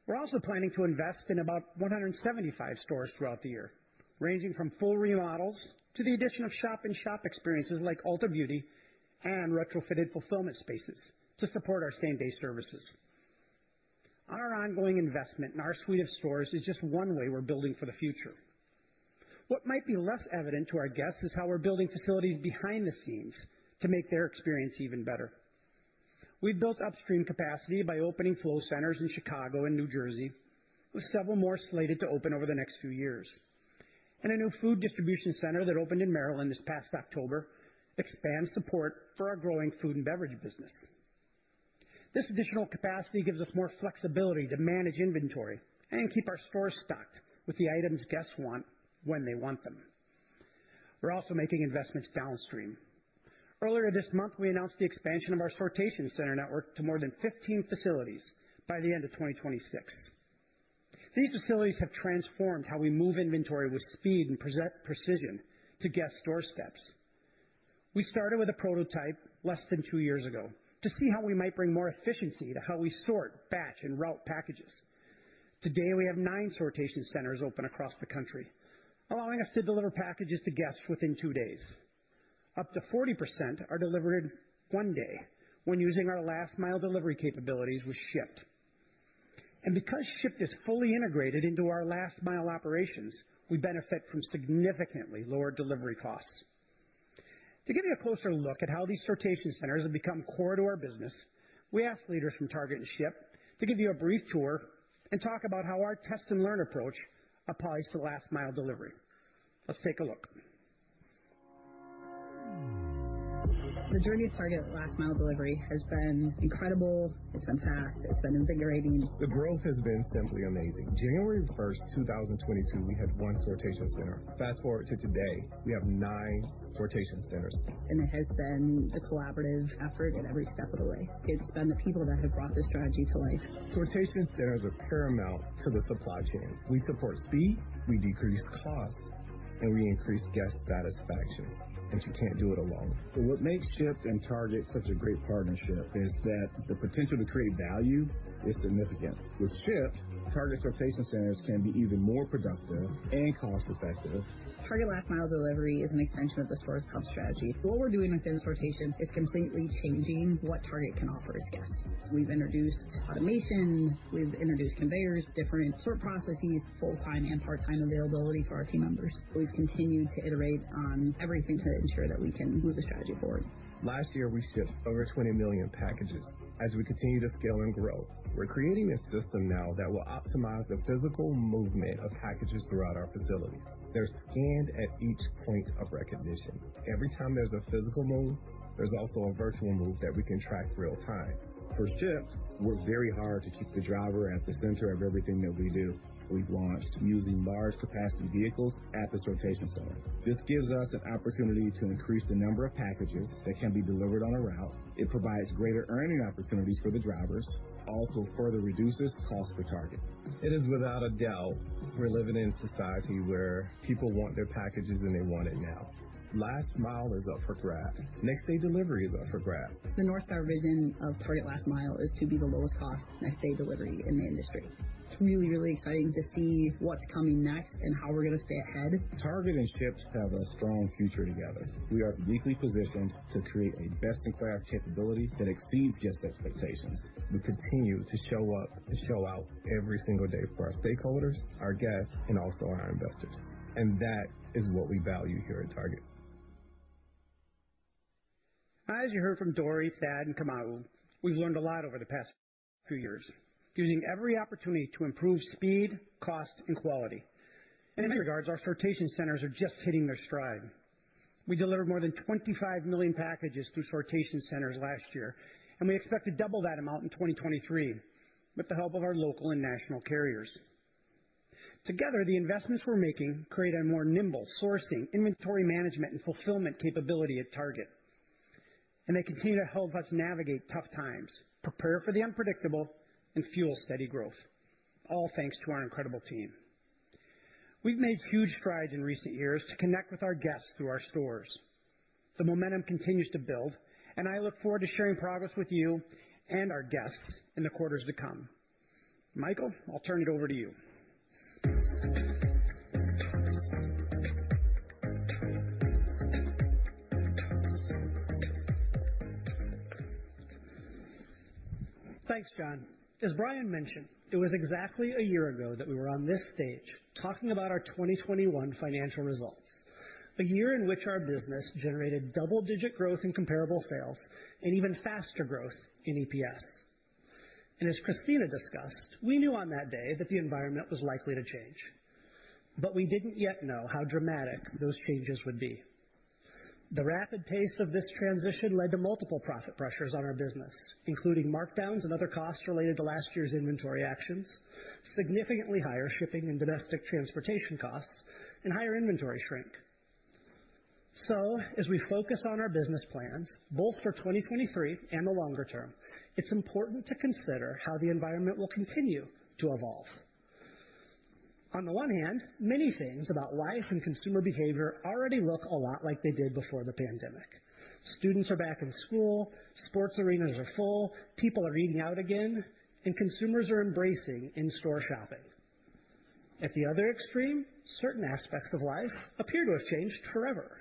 We're also planning to invest in about 175 stores throughout the year, ranging from full remodels to the addition of shop and shop experiences like Ulta Beauty and retrofitted fulfillment spaces to support our same-day services. Our ongoing investment in our suite of stores is just one way we're building for the future. What might be less evident to our guests is how we're building facilities behind the scenes to make their experience even better. We've built upstream capacity by opening flow centers in Chicago and New Jersey, with several more slated to open over the next few years. A new food distribution center that opened in Maryland this past October expands support for our growing food and beverage business. This additional capacity gives us more flexibility to manage inventory and keep our stores stocked with the items guests want when they want them. We're also making investments downstream. Earlier this month, we announced the expansion of our sortation center network to more than 15 facilities by the end of 2026. These facilities have transformed how we move inventory with speed and precision to guest doorsteps. We started with a prototype less than two years ago to see how we might bring more efficiency to how we sort, batch, and route packages. Today, we have nine sortation centers open across the country, allowing us to deliver packages to guests within two days. Up to 40% are delivered in one day when using our last mile delivery capabilities with Shipt. Because Shipt is fully integrated into our last mile operations, we benefit from significantly lower delivery costs. To give you a closer look at how these sortation centers have become core to our business, we asked leaders from Target and Shipt to give you a brief tour and talk about how our test and learn approach applies to last mile delivery. Let's take a look. The journey of Target last mile delivery has been incredible. It's been fast. It's been invigorating. The growth has been simply amazing. January first, 2022, we had one sortation center. Fast-forward to today, we have nine sortation centers. It has been a collaborative effort in every step of the way. It's been the people that have brought this strategy to life. Sortation centers are paramount to the supply chain. We support speed, we decrease costs, and we increase guest satisfaction, and you can't do it alone. What makes Shipt and Target such a great partnership is that the potential to create value is significant. With Shipt, Target sortation centers can be even more productive and cost effective. Target last mile delivery is an extension of the stores hub strategy. What we're doing within sortation is completely changing what Target can offer its guests. We've introduced automation. We've introduced conveyors, different sort processes, full-time and part-time availability for our team members. We've continued to iterate on everything to ensure that we can move the strategy forward. Last year, we shipped over 20 million packages. As we continue to scale and grow, we're creating a system now that will optimize the physical movement of packages throughout our facilities. They're scanned at each point of recognition. Every time there's a physical move, there's also a virtual move that we can track real time. For Shipt, work very hard to keep the driver at the center of everything that we do. We've launched using large capacity vehicles at the sortation center. This gives us an opportunity to increase the number of packages that can be delivered on a route. It provides greater earning opportunities for the drivers, also further reduces cost for Target. It is without a doubt we're living in a society where people want their packages, and they want it now. Last mile is up for grabs. Next day delivery is up for grabs. The North Star vision of Target last mile is to be the lowest cost next day delivery in the industry. It's really, really exciting to see what's coming next and how we're gonna stay ahead. Target and Shipt have a strong future together. We are uniquely positioned to create a best in class capability that exceeds guests' expectations. We continue to show up and show out every single day for our stakeholders, our guests, and also our investors. That is what we value here at Target. As you heard from Dory, Thad, and Kamau, we've learned a lot over the past few years, using every opportunity to improve speed, cost, and quality. In many regards, our sortation centers are just hitting their stride. We delivered more than 25 million packages through sortation centers last year. We expect to double that amount in 2023 with the help of our local and national carriers. Together, the investments we're making create a more nimble sourcing, inventory management, and fulfillment capability at Target. They continue to help us navigate tough times, prepare for the unpredictable, and fuel steady growth, all thanks to our incredible team. We've made huge strides in recent years to connect with our guests through our stores. The momentum continues to build, and I look forward to sharing progress with you and our guests in the quarters to come. Michael, I'll turn it over to you. Thanks, John. As Brian mentioned, it was exactly a year ago that we were on this stage talking about our 2021 financial results, a year in which our business generated double-digit growth in comparable sales and even faster growth in EPS. As Christina discussed, we knew on that day that the environment was likely to change, but we didn't yet know how dramatic those changes would be. The rapid pace of this transition led to multiple profit pressures on our business, including markdowns and other costs related to last year's inventory actions, significantly higher shipping and domestic transportation costs, and higher inventory shrink. As we focus on our business plans, both for 2023 and the longer term, it's important to consider how the environment will continue to evolve. On the one hand, many things about life and consumer behavior already look a lot like they did before the pandemic. Students are back in school, sports arenas are full, people are eating out again, and consumers are embracing in-store shopping. At the other extreme, certain aspects of life appear to have changed forever.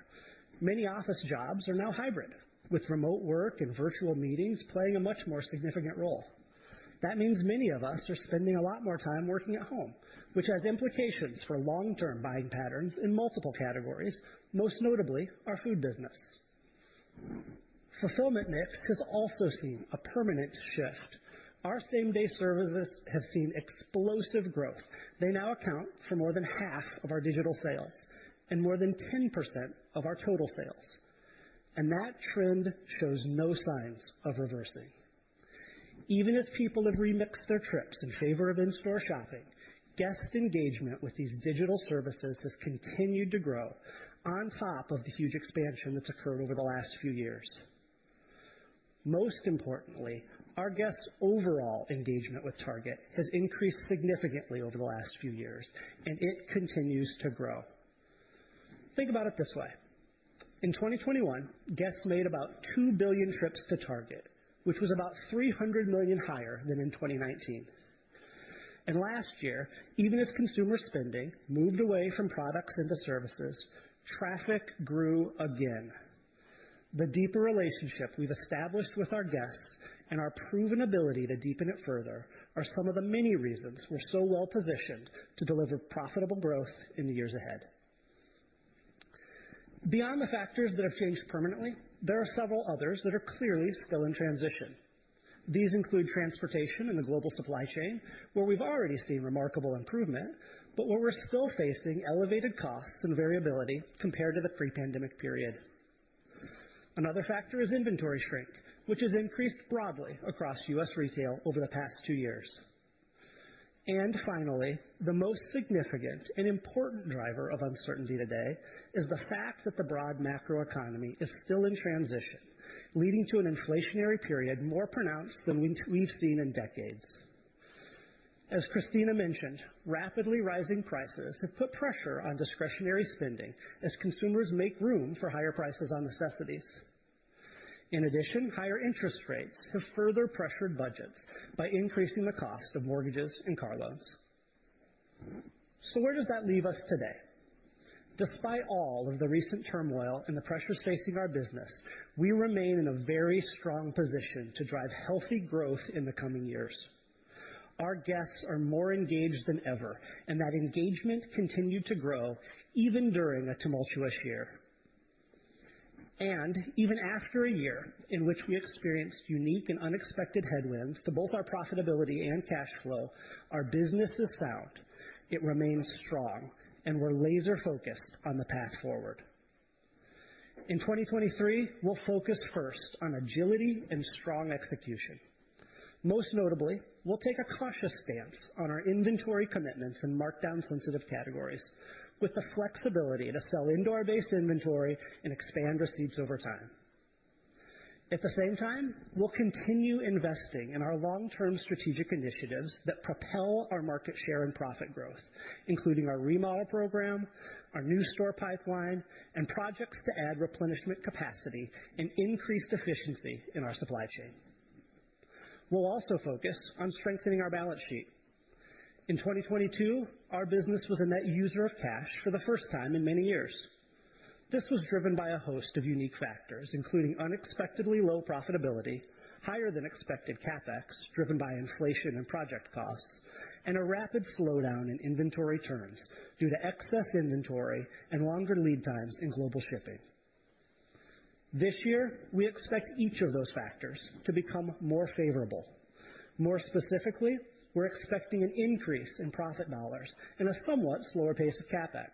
Many office jobs are now hybrid, with remote work and virtual meetings playing a much more significant role. That means many of us are spending a lot more time working at home, which has implications for long-term buying patterns in multiple categories, most notably our food business. Fulfillment mix has also seen a permanent shift. Our same-day services have seen explosive growth. They now account for more than half of our digital sales and more than 10% of our total sales, and that trend shows no signs of reversing. Even as people have remixed their trips in favor of in-store shopping, guest engagement with these digital services has continued to grow on top of the huge expansion that's occurred over the last few years. Most importantly, our guests' overall engagement with Target has increased significantly over the last few years, it continues to grow. Think about it this way. In 2021, guests made about 2 billion trips to Target, which was about 300 million higher than in 2019. Last year, even as consumer spending moved away from products into services, traffic grew again. The deeper relationship we've established with our guests and our proven ability to deepen it further are some of the many reasons we're so well-positioned to deliver profitable growth in the years ahead. Beyond the factors that have changed permanently, there are several others that are clearly still in transition. These include transportation and the global supply chain, where we've already seen remarkable improvement, but where we're still facing elevated costs and variability compared to the pre-pandemic period. Another factor is inventory shrink, which has increased broadly across U.S. retail over the past two years. Finally, the most significant and important driver of uncertainty today is the fact that the broad macroeconomy is still in transition, leading to an inflationary period more pronounced than we've seen in decades. As Christina mentioned, rapidly rising prices have put pressure on discretionary spending as consumers make room for higher prices on necessities. In addition, higher interest rates have further pressured budgets by increasing the cost of mortgages and car loans. Where does that leave us today? Despite all of the recent turmoil and the pressures facing our business, we remain in a very strong position to drive healthy growth in the coming years. Our guests are more engaged than ever, and that engagement continued to grow even during a tumultuous year. Even after a year in which we experienced unique and unexpected headwinds to both our profitability and cash flow, our business is sound, it remains strong, and we're laser-focused on the path forward. In 2023, we'll focus first on agility and strong execution. Most notably, we'll take a cautious stance on our inventory commitments and markdown-sensitive categories with the flexibility to sell into our base inventory and expand receipts over time. At the same time, we'll continue investing in our long-term strategic initiatives that propel our market share and profit growth, including our remodel program, our new store pipeline, and projects to add replenishment capacity and increase efficiency in our supply chain. We'll also focus on strengthening our balance sheet. In 2022, our business was a net user of cash for the first time in many years. This was driven by a host of unique factors, including unexpectedly low profitability, higher than expected CapEx driven by inflation and project costs, and a rapid slowdown in inventory turns due to excess inventory and longer lead times in global shipping. This year, we expect each of those factors to become more favorable. More specifically, we're expecting an increase in profit dollars and a somewhat slower pace of CapEx.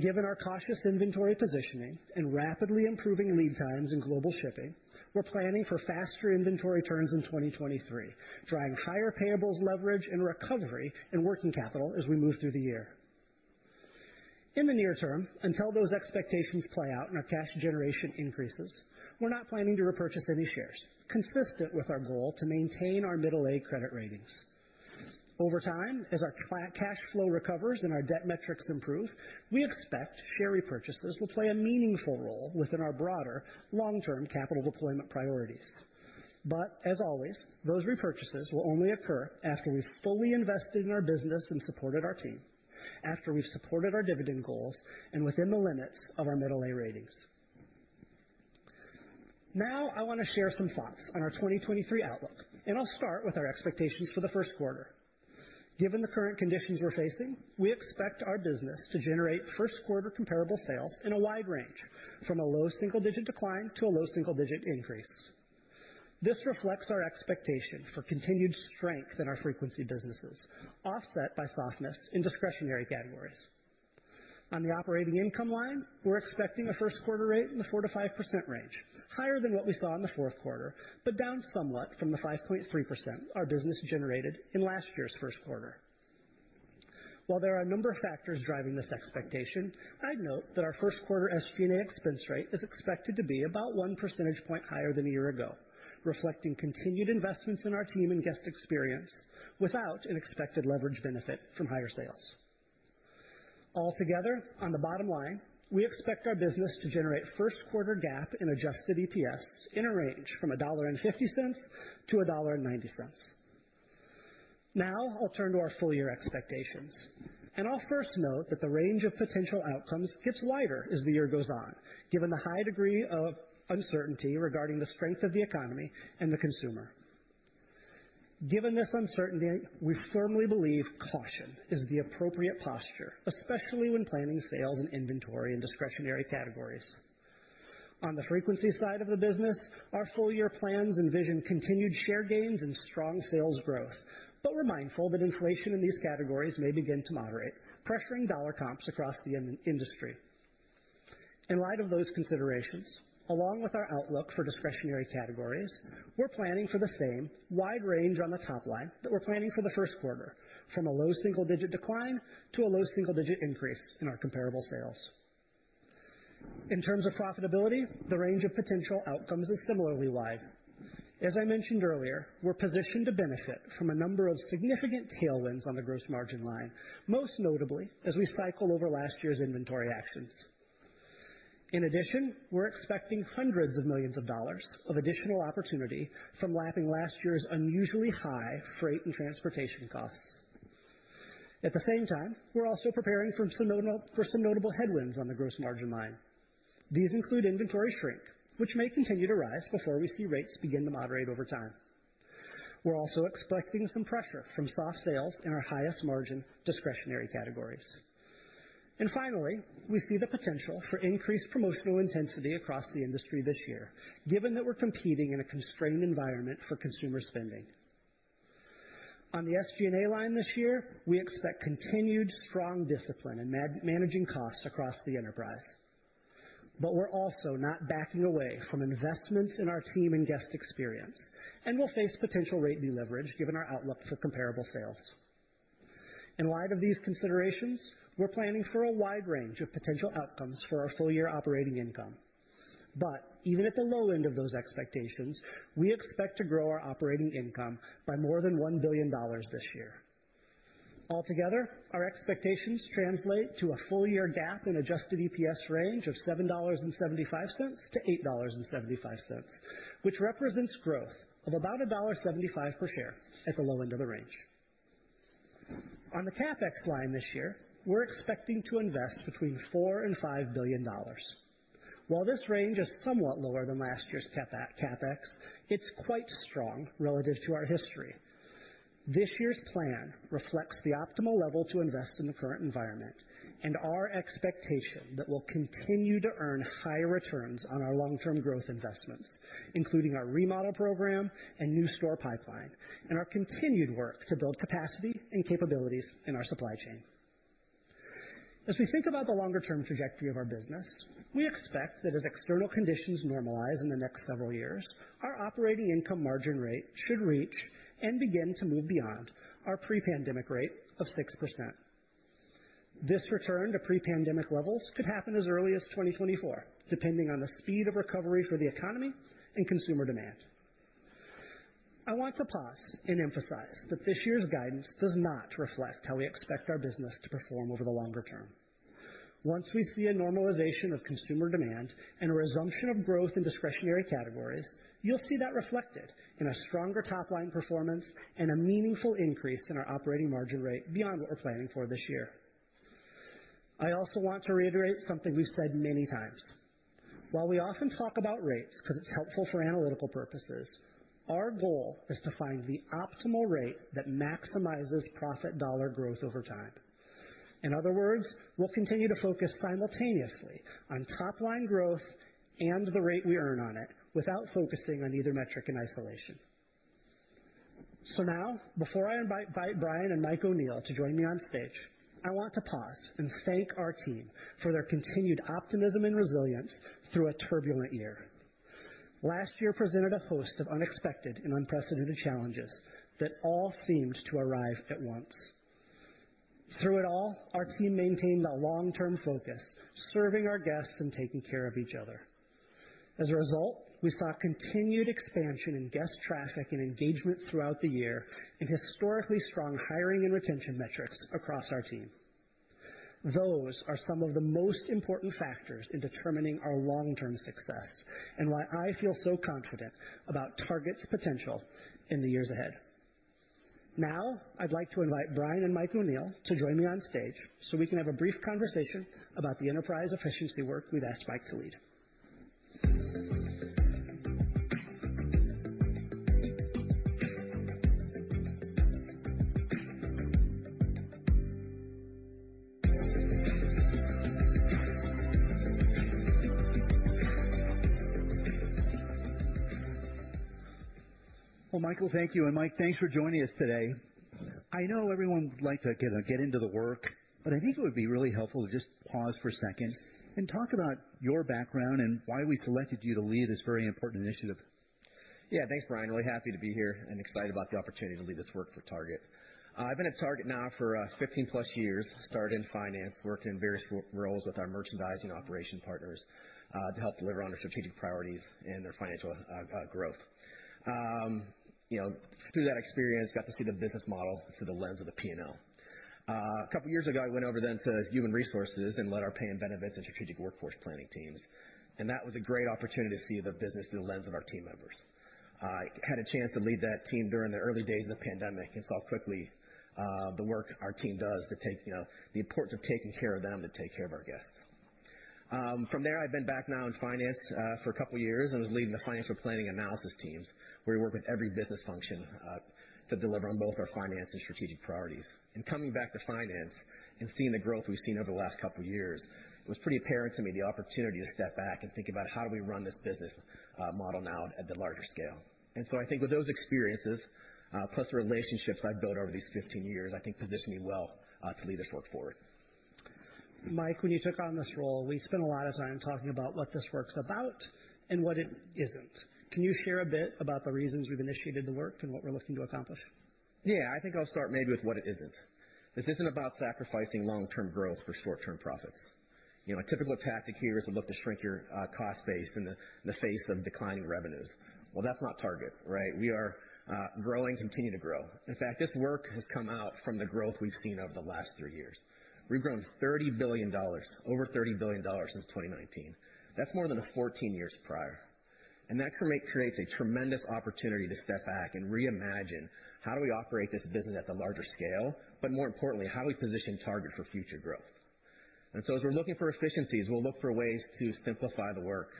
Given our cautious inventory positioning and rapidly improving lead times in global shipping, we're planning for faster inventory turns in 2023, driving higher payables leverage and recovery in working capital as we move through the year. In the near term, until those expectations play out and our cash generation increases, we're not planning to repurchase any shares, consistent with our goal to maintain our middle-A credit ratings. Over time, as our cash flow recovers and our debt metrics improve, we expect share repurchases will play a meaningful role within our broader long-term capital deployment priorities. As always, those repurchases will only occur after we've fully invested in our business and supported our team, after we've supported our dividend goals and within the limits of our middle-A ratings. Now, I wanna share some thoughts on our 2023 outlook, and I'll start with our expectations for the first quarter. Given the current conditions we're facing, we expect our business to generate first quarter comparable sales in a wide range from a low single-digit decline to a low single-digit increase. This reflects our expectation for continued strength in our frequency businesses, offset by softness in discretionary categories. On the operating income line, we're expecting a first quarter rate in the 4%-5% range, higher than what we saw in the fourth quarter, but down somewhat from the 5.3% our business generated in last year's first quarter. While there are a number of factors driving this expectation, I'd note that our first quarter SG&A expense rate is expected to be about 1 percentage point higher than a year ago, reflecting continued investments in our team and guest experience without an expected leverage benefit from higher sales. Altogether, on the bottom line, we expect our business to generate first quarter GAAP in adjusted EPS in a range from $1.50-$1.90. I'll turn to our full year expectations, and I'll first note that the range of potential outcomes gets wider as the year goes on, given the high degree of uncertainty regarding the strength of the economy and the consumer. Given this uncertainty, we firmly believe caution is the appropriate posture, especially when planning sales and inventory in discretionary categories. On the frequency side of the business, our full year plans envision continued share gains and strong sales growth, but we're mindful that inflation in these categories may begin to moderate, pressuring dollar comps across the in-industry. In light of those considerations, along with our outlook for discretionary categories, we're planning for the same wide range on the top line that we're planning for the first quarter, from a low single-digit decline to a low single-digit increase in our comparable sales. In terms of profitability, the range of potential outcomes is similarly wide. As I mentioned earlier, we're positioned to benefit from a number of significant tailwinds on the gross margin line, most notably as we cycle over last year's inventory actions. In addition, we're expecting hundreds of millions of dollars of additional opportunity from lapping last year's unusually high freight and transportation costs. At the same time, we're also preparing for some notable headwinds on the gross margin line. These include inventory shrink, which may continue to rise before we see rates begin to moderate over time. We're also expecting some pressure from soft sales in our highest margin discretionary categories. Finally, we see the potential for increased promotional intensity across the industry this year, given that we're competing in a constrained environment for consumer spending. On the SG&A line this year, we expect continued strong discipline in managing costs across the enterprise. We're also not backing away from investments in our team and guest experience, and we'll face potential rate deleverage given our outlook for comparable sales. In light of these considerations, we're planning for a wide range of potential outcomes for our full year operating income. Even at the low end of those expectations, we expect to grow our operating income by more than $1 billion this year. Altogether, our expectations translate to a full year GAAP and adjusted EPS range of $7.75-$8.75, which represents growth of about $1.75 per share at the low end of the range. On the CapEx line this year, we're expecting to invest between $4 billion and $5 billion. While this range is somewhat lower than last year's CapEx, it's quite strong relative to our history. This year's plan reflects the optimal level to invest in the current environment and our expectation that we'll continue to earn higher returns on our long-term growth investments, including our remodel program and new store pipeline, and our continued work to build capacity and capabilities in our supply chain. As we think about the longer term trajectory of our business, we expect that as external conditions normalize in the next several years, our operating income margin rate should reach and begin to move beyond our pre-pandemic rate of 6%. This return to pre-pandemic levels could happen as early as 2024, depending on the speed of recovery for the economy and consumer demand. I want to pause and emphasize that this year's guidance does not reflect how we expect our business to perform over the longer term. Once we see a normalization of consumer demand and a resumption of growth in discretionary categories, you'll see that reflected in a stronger top-line performance and a meaningful increase in our operating margin rate beyond what we're planning for this year. I also want to reiterate something we've said many times. While we often talk about rates 'cause it's helpful for analytical purposes, our goal is to find the optimal rate that maximizes profit dollar growth over time. In other words, we'll continue to focus simultaneously on top-line growth and the rate we earn on it without focusing on either metric in isolation. Now before I invite Brian and Mike O'Neil to join me on stage, I want to pause and thank our team for their continued optimism and resilience through a turbulent year. Last year presented a host of unexpected and unprecedented challenges that all seemed to arrive at once. Through it all, our team maintained a long-term focus, serving our guests and taking care of each other. As a result, we saw continued expansion in guest traffic and engagement throughout the year and historically strong hiring and retention metrics across our team. Those are some of the most important factors in determining our long-term success and why I feel so confident about Target's potential in the years ahead. Now, I'd like to invite Brian and Mike O'Neill to join me on stage so we can have a brief conversation about the enterprise efficiency work we've asked Mike to lead. Well, Michael, thank you. Mike, thanks for joining us today. I know everyone would like to get into the work, but I think it would be really helpful to just pause for a second and talk about your background and why we selected you to lead this very important initiative. Yeah, thanks, Brian. Really happy to be here and excited about the opportunity to lead this work for Target. I've been at Target now for 15+ years. Started in finance, worked in various roles with our merchandising operation partners to help deliver on their strategic priorities and their financial growth. You know, through that experience, got to see the business model through the lens of the P&L. A couple years ago, I went over then to human resources and led our pay and benefits and strategic workforce planning teams. That was a great opportunity to see the business through the lens of our team members. I had a chance to lead that team during the early days of the pandemic and saw quickly, the work our team does to take, you know, the importance of taking care of them to take care of our guests. From there I've been back now in finance, for a couple of years and was leading the financial planning analysis teams, where we work with every business function, to deliver on both our finance and strategic priorities. Coming back to finance and seeing the growth we've seen over the last couple of years, it was pretty apparent to me the opportunity to step back and think about how do we run this business, model now at the larger scale. I think with those experiences, plus the relationships I've built over these 15 years, I think position me well, to lead this work forward. Mike, when you took on this role, we spent a lot of time talking about what this work's about and what it isn't. Can you share a bit about the reasons you've initiated the work and what we're looking to accomplish? Yeah. I think I'll start maybe with what it isn't. This isn't about sacrificing long-term growth for short-term profits. You know, a typical tactic here is to look to shrink your cost base in the, in the face of declining revenues. Well, that's not Target, right? We are growing, continue to grow. In fact, this work has come out from the growth we've seen over the last three years. We've grown over $30 billion since 2019. That's more than the 14 years prior. That creates a tremendous opportunity to step back and reimagine how do we operate this business at the larger scale, but more importantly, how do we position Target for future growth? As we're looking for efficiencies, we'll look for ways to simplify the work,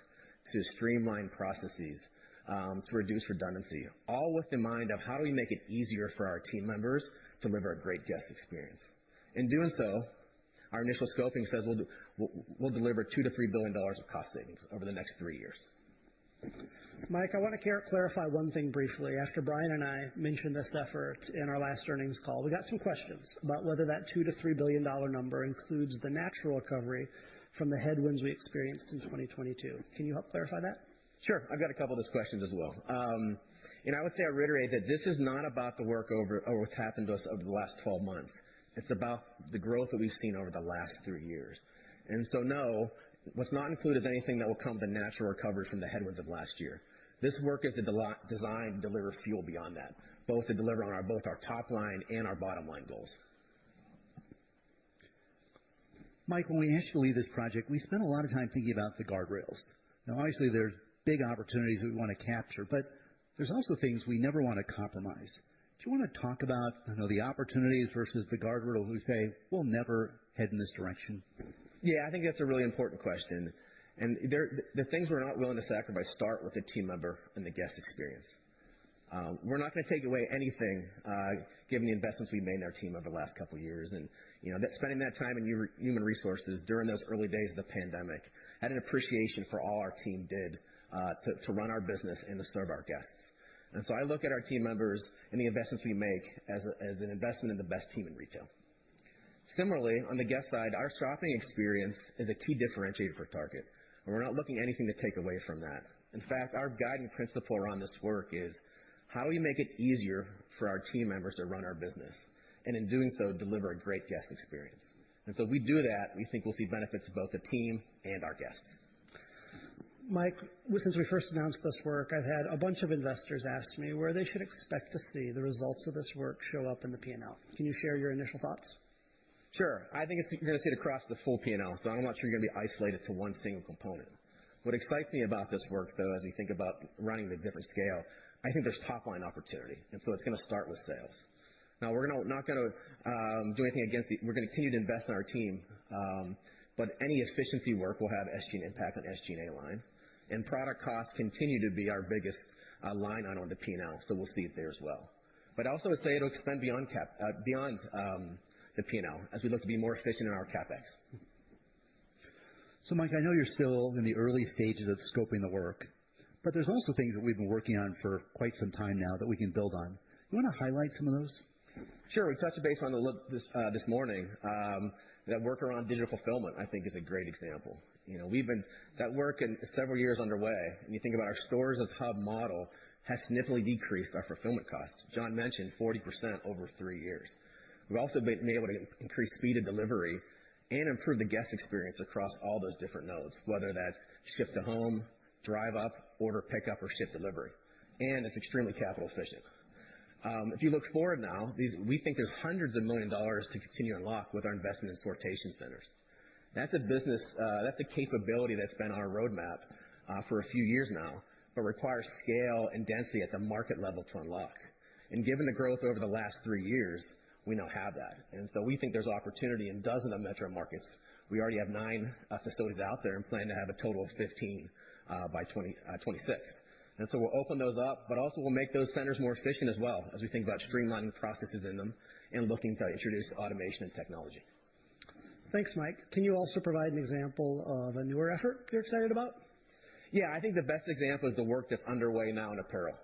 to streamline processes, to reduce redundancy, all with the mind of how do we make it easier for our team members to deliver a great guest experience. In doing so, our initial scoping says we'll deliver $2 billion-$3 billion of cost savings over the next three years. Mike, I wanna clarify one thing briefly. After Brian and I mentioned this effort in our last earnings call, we got some questions about whether that $2 billion-$3 billion number includes the natural recovery from the headwinds we experienced in 2022. Can you help clarify that? Sure. I've got a couple of those questions as well. you know, I would say I reiterate that this is not about the work or what's happened to us over the last 12 months. It's about the growth that we've seen over the last three years. No, what's not included is anything that will come to natural recovery from the headwinds of last year. This work is designed to deliver fuel beyond that, both to deliver on both our top line and our bottom line goals. Mike, when we initially this project, we spent a lot of time thinking about the guardrails. Now, obviously, there's big opportunities we wanna capture, but there's also things we never wanna compromise. Do you wanna talk about, you know, the opportunities versus the guardrail who say, "We'll never head in this direction"? Yeah, I think that's a really important question. The things we're not willing to sacrifice start with the team member and the guest experience. We're not gonna take away anything, given the investments we've made in our team over the last couple of years. You know, spending that time in human resources during those early days of the pandemic, had an appreciation for all our team did to run our business and to serve our guests. I look at our team members and the investments we make as an investment in the best team in retail. Similarly, on the guest side, our shopping experience is a key differentiator for Target, and we're not looking anything to take away from that. In fact, our guiding principle around this work is how we make it easier for our team members to run our business, and in doing so, deliver a great guest experience. If we do that, we think we'll see benefits of both the team and our guests. Mike, since we first announced this work, I've had a bunch of investors ask me where they should expect to see the results of this work show up in the P&L. Can you share your initial thoughts? Sure. I think it's gonna sit across the full P&L, so I'm not sure you're gonna be isolated to one single component. What excites me about this work, though, as you think about running the different scale, I think there's top line opportunity, it's gonna start with sales. Now, we're gonna continue to invest in our team, but any efficiency work will have SG impact on SG&A line. Product costs continue to be our biggest line item on the P&L, so we'll see it there as well. Also, I'd say it'll extend beyond the P&L as we look to be more efficient in our CapEx. Mike, I know you're still in the early stages of scoping the work, but there's also things that we've been working on for quite some time now that we can build on. Do you wanna highlight some of those? Sure. We touched base on the look this morning, that work around digital fulfillment, I think is a great example. You know, That work is several years underway, and you think about our stores-as-hubs model has significantly decreased our fulfillment costs. John mentioned 40% over three years. We've also been able to increase speed of delivery and improve the guest experience across all those different nodes, whether that's ship to home, Drive Up, Order Pickup, or Shipt delivery. It's extremely capital efficient. If you look forward now, we think there's hundreds of million dollars to continue to unlock with our investment in sortation centers. That's a business. That's a capability that's been on our roadmap for a few years now, but requires scale and density at the market level to unlock. Given the growth over the last three years, we now have that. We think there's opportunity in dozens of metro markets. We already have nine facilities out there and plan to have a total of 15 by 2026. We'll open those up, but also we'll make those centers more efficient as well as we think about streamlining the processes in them and looking to introduce automation and technology. Thanks, Mike. Can you also provide an example of a newer effort you're excited about? I think the best example is the work that's underway now in apparel.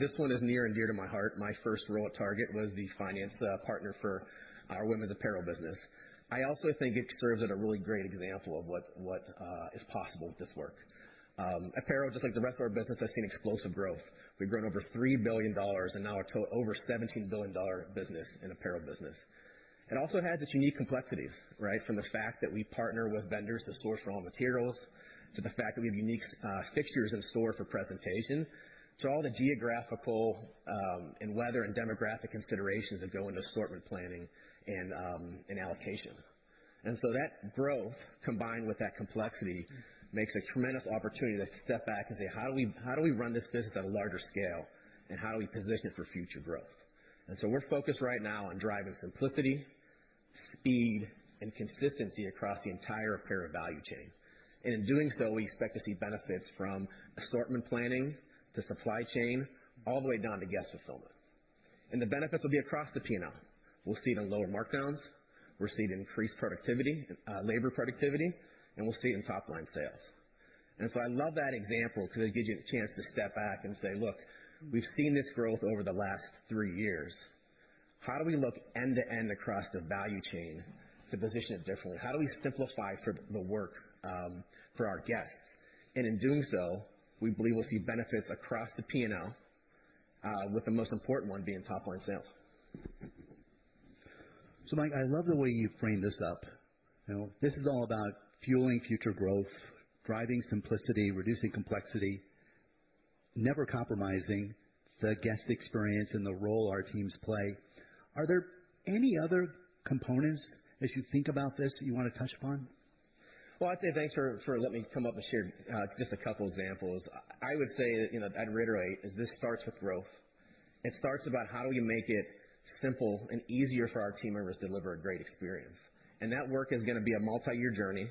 This one is near and dear to my heart. My first role at Target was the finance partner for our women's apparel business. I also think it serves as a really great example of what is possible with this work. Apparel, just like the rest of our business, has seen explosive growth. We've grown over $3 billion and now over $17 billion business in apparel business. It also has its unique complexities, right? From the fact that we partner with vendors to source raw materials, to the fact that we have unique fixtures in store for presentation, to all the geographical, and weather and demographic considerations that go into assortment planning and allocation. That growth, combined with that complexity, makes a tremendous opportunity to step back and say, "How do we run this business at a larger scale, and how do we position it for future growth?" We're focused right now on driving simplicity, speed, and consistency across the entire apparel value chain. In doing so, we expect to see benefits from assortment planning to supply chain, all the way down to guest fulfillment. The benefits will be across the P&L. We'll see it in lower markdowns, we'll see it in increased productivity, labor productivity, and we'll see it in top line sales. I love that example because it gives you a chance to step back and say, "Look, we've seen this growth over the last three years. How do we look end-to-end across the value chain to position it differently? How do we simplify for the work, for our guests? In doing so, we believe we'll see benefits across the P&L, with the most important one being top line sales. Mike, I love the way you framed this up. You know, this is all about fueling future growth, driving simplicity, reducing complexity, never compromising the guest experience and the role our teams play. Are there any other components as you think about this that you wanna touch upon? Well, I'd say thanks for letting me come up and share just a couple examples. I would say, you know, I'd reiterate is this starts with growth. It starts about how do we make it simple and easier for our team members to deliver a great experience. That work is gonna be a multi-year journey,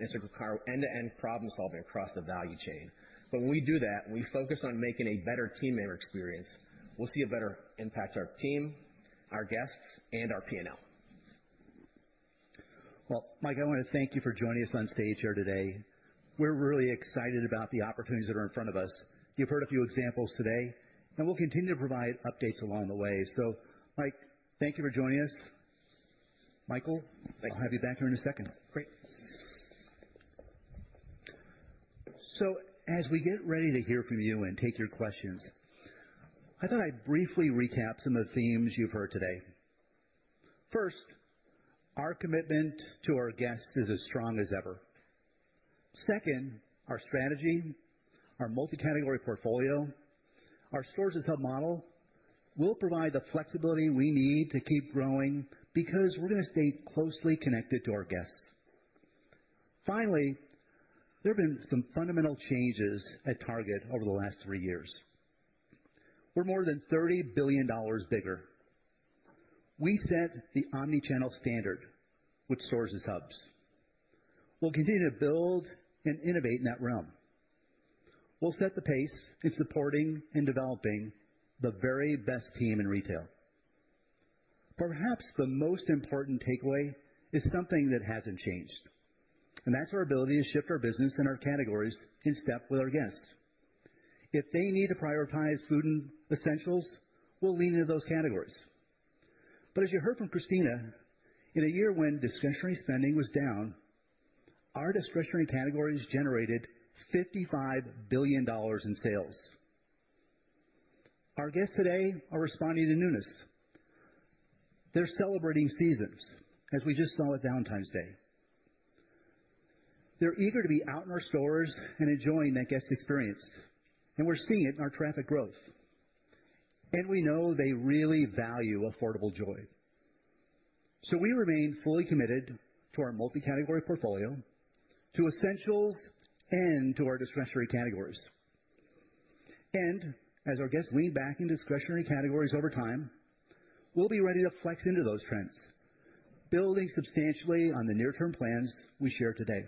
and it's gonna require end-to-end problem-solving across the value chain. When we do that, we focus on making a better team member experience. We'll see a better impact to our team, our guests, and our P&L. Mike, I wanna thank you for joining us on stage here today. We're really excited about the opportunities that are in front of us. You've heard a few examples today, and we'll continue to provide updates along the way. Mike, thank you for joining us. Michael, I'll have you back here in a second. Great. As we get ready to hear from you and take your questions, I thought I'd briefly recap some of the themes you've heard today. First, our commitment to our guests is as strong as ever. Second, our strategy, our multi-category portfolio, our stores-as-hubs model will provide the flexibility we need to keep growing because we're gonna stay closely connected to our guests. There have been some fundamental changes at Target over the last three years. We're more than $30 billion bigger. We set the omnichannel standard with stores-as-hubs. We'll continue to build and innovate in that realm. We'll set the pace in supporting and developing the very best team in retail. Perhaps the most important takeaway is something that hasn't changed, and that's our ability to shift our business and our categories in step with our guests. If they need to prioritize food and essentials, we'll lean into those categories. As you heard from Christina, in a year when discretionary spending was down, our discretionary categories generated $55 billion in sales. Our guests today are responding to newness. They're celebrating seasons, as we just saw with Valentine's Day. They're eager to be out in our stores and enjoying that guest experience, and we're seeing it in our traffic growth. We know they really value affordable joy. We remain fully committed to our multi-category portfolio, to essentials, and to our discretionary categories. As our guests lean back into discretionary categories over time, we'll be ready to flex into those trends, building substantially on the near-term plans we share today.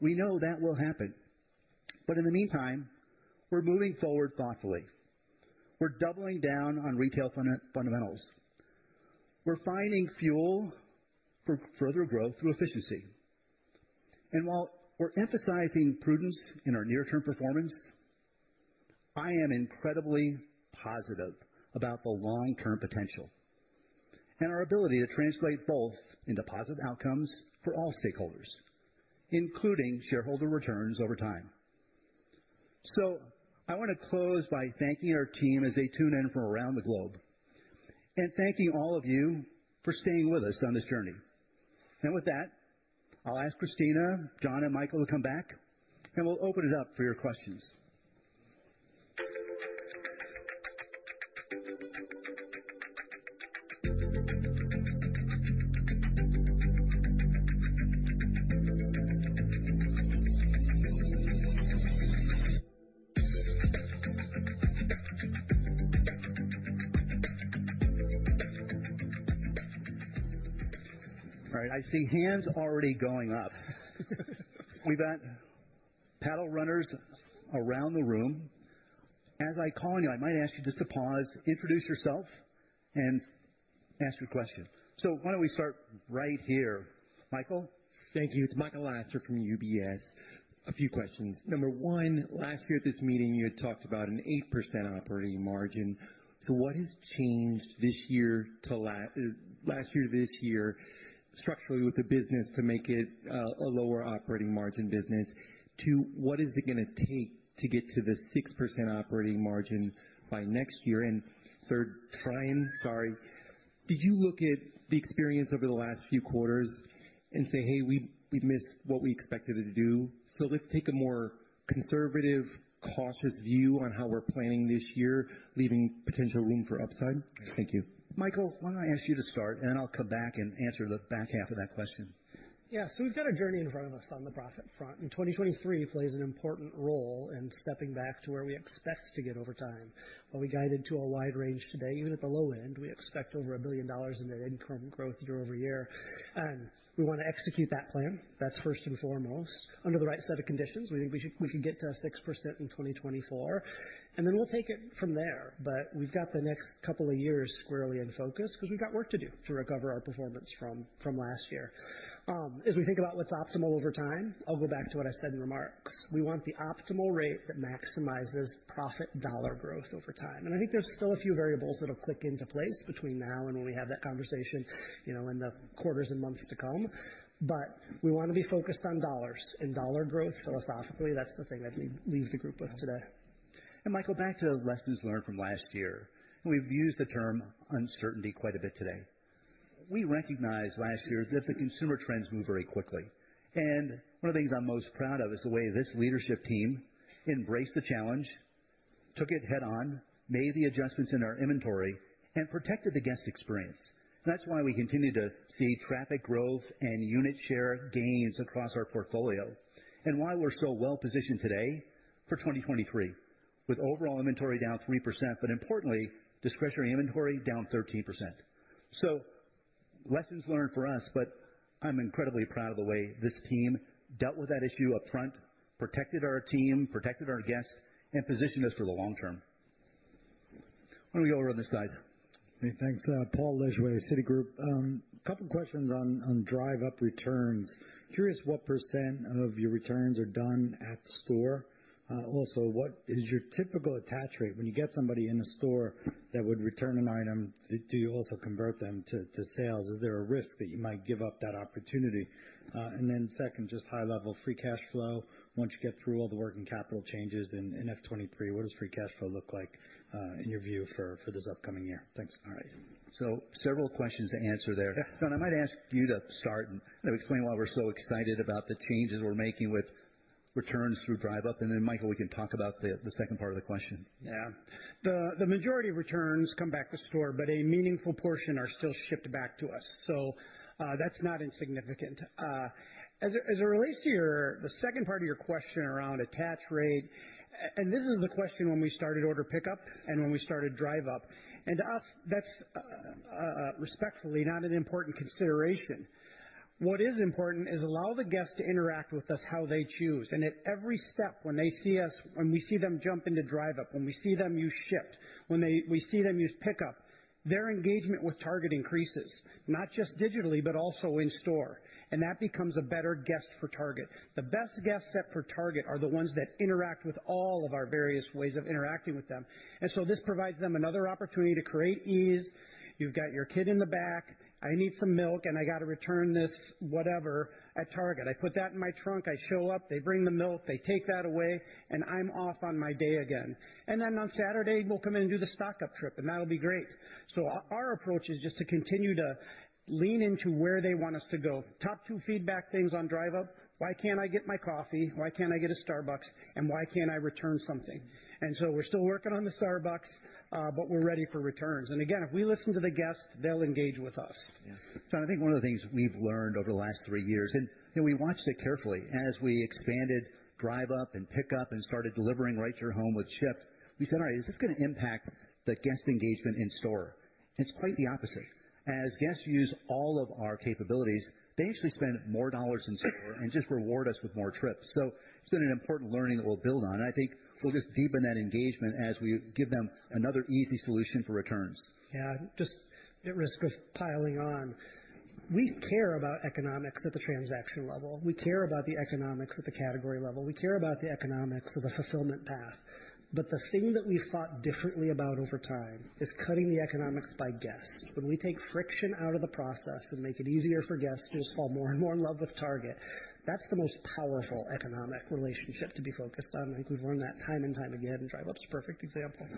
We know that will happen. In the meantime, we're moving forward thoughtfully. We're doubling down on retail fundamentals. We're finding fuel for further growth through efficiency. While we're emphasizing prudence in our near-term performance, I am incredibly positive about the long-term potential and our ability to translate both into positive outcomes for all stakeholders, including shareholder returns over time. I wanna close by thanking our team as they tune in from around the globe and thanking all of you for staying with us on this journey. With that, I'll ask Christina, John, and Michael to come back, and we'll open it up for your questions. All right, I see hands already going up. We've got panel runners around the room. As I call you, I might ask you just to pause, introduce yourself, and ask your question. Why don't we start right here. Michael? Thank you. It's Michael Lasser from UBS. A few questions. Number one, last year at this meeting, you had talked about an 8% operating margin. What has changed this year to last year to this year structurally with the business to make it a lower operating margin business? Two, what is it gonna take to get to the 6% operating margin by next year? Third, did you look at the experience over the last few quarters and say, "Hey, we've missed what we expected it to do, so let's take a more conservative, cautious view on how we're planning this year, leaving potential room for upside?" Thank you. Michael, why don't I ask you to start, and then I'll come back and answer the back half of that question. We've got a journey in front of us on the profit front, and 2023 plays an important role in stepping back to where we expect to get over time. While we guided to a wide range today, even at the low end, we expect over $1 billion in net income growth year-over-year. We wanna execute that plan. That's first and foremost. Under the right set of conditions, we could get to 6% in 2024, and then we'll take it from there. We've got the next couple of years squarely in focus 'cause we've got work to do to recover our performance from last year. As we think about what's optimal over time, I'll go back to what I said in remarks. We want the optimal rate that maximizes profit dollar growth over time. I think there's still a few variables that'll click into place between now and when we have that conversation, you know, in the quarters and months to come. We wanna be focused on dollars, in dollar growth philosophically. That's the thing that we leave the group with today. Michael, back to lessons learned from last year, and we've used the term uncertainty quite a bit today. We recognized last year that the consumer trends move very quickly, and one of the things I'm most proud of is the way this leadership team embraced the challenge, took it head on, made the adjustments in our inventory, and protected the guest experience. That's why we continue to see traffic growth and unit share gains across our portfolio and why we're so well positioned today for 2023 with overall inventory down 3%, but importantly, discretionary inventory down 13%. Lessons learned for us, but I'm incredibly proud of the way this team dealt with that issue up front, protected our team, protected our guests, and positioned us for the long term. Why don't we go over on this side? Okay, thanks. Paul Lejuez, Citigroup. A couple questions on Drive Up Returns. Curious what percent of your returns are done at store. Also, what is your typical attach rate? When you get somebody in the store that would return an item, do you also convert them to sales? Is there a risk that you might give up that opportunity? Then second, just high level free cash flow. Once you get through all the working capital changes in F2023, what does free cash flow look like in your view for this upcoming year? Thanks. All right. Several questions to answer there. Yeah. John, I might ask you to start and explain why we're so excited about the changes we're making with returns through Drive Up, and then Michael, we can talk about the second part of the question. The majority of returns come back with store, but a meaningful portion are still shipped back to us. That's not insignificant. As it relates to the second part of your question around attach rate, and this is the question when we started Order Pickup and when we started Drive Up, and to us, that's respectfully not an important consideration. What is important is allow the guests to interact with us how they choose. At every step, when we see them jump into Drive Up, when we see them use Shipt, when we see them use Pickup, their engagement with Target increases. Not just digitally, but also in store. That becomes a better guest for Target. The best guest set for Target are the ones that interact with all of our various ways of interacting with them. This provides them another opportunity to create ease. You've got your kid in the back, I need some milk, and I gotta return this, whatever, at Target. I put that in my trunk, I show up, they bring the milk, they take that away, and I'm off on my day again. On Saturday, we'll come in and do the stock up trip, and that'll be great. Our approach is just to continue to lean into where they want us to go. Top two feedback things on Drive Up: Why can't I get my coffee? Why can't I get a Starbucks? Why can't I return something? We're still working on the Starbucks, but we're ready for returns. Again, if we listen to the guests, they'll engage with us. Yes. John, I think one of the things we've learned over the last three years, and we watched it carefully as we expanded Drive Up and Pick Up and started delivering right to your home with Shipt, we said, "All right, is this gonna impact the guest engagement in store?" It's quite the opposite. As guests use all of our capabilities, they actually spend more dollars in store and just reward us with more trips. It's been an important learning that we'll build on. I think we'll just deepen that engagement as we give them another easy solution for returns. Yeah, just at risk of piling on, we care about economics at the transaction level. We care about the economics at the category level. We care about the economics of the fulfillment path. The thing that we've thought differently about over time is cutting the economics by guests. When we take friction out of the process and make it easier for guests to just fall more and more in love with Target, that's the most powerful economic relationship to be focused on. I think we've learned that time and time again, and Drive Up's a perfect example.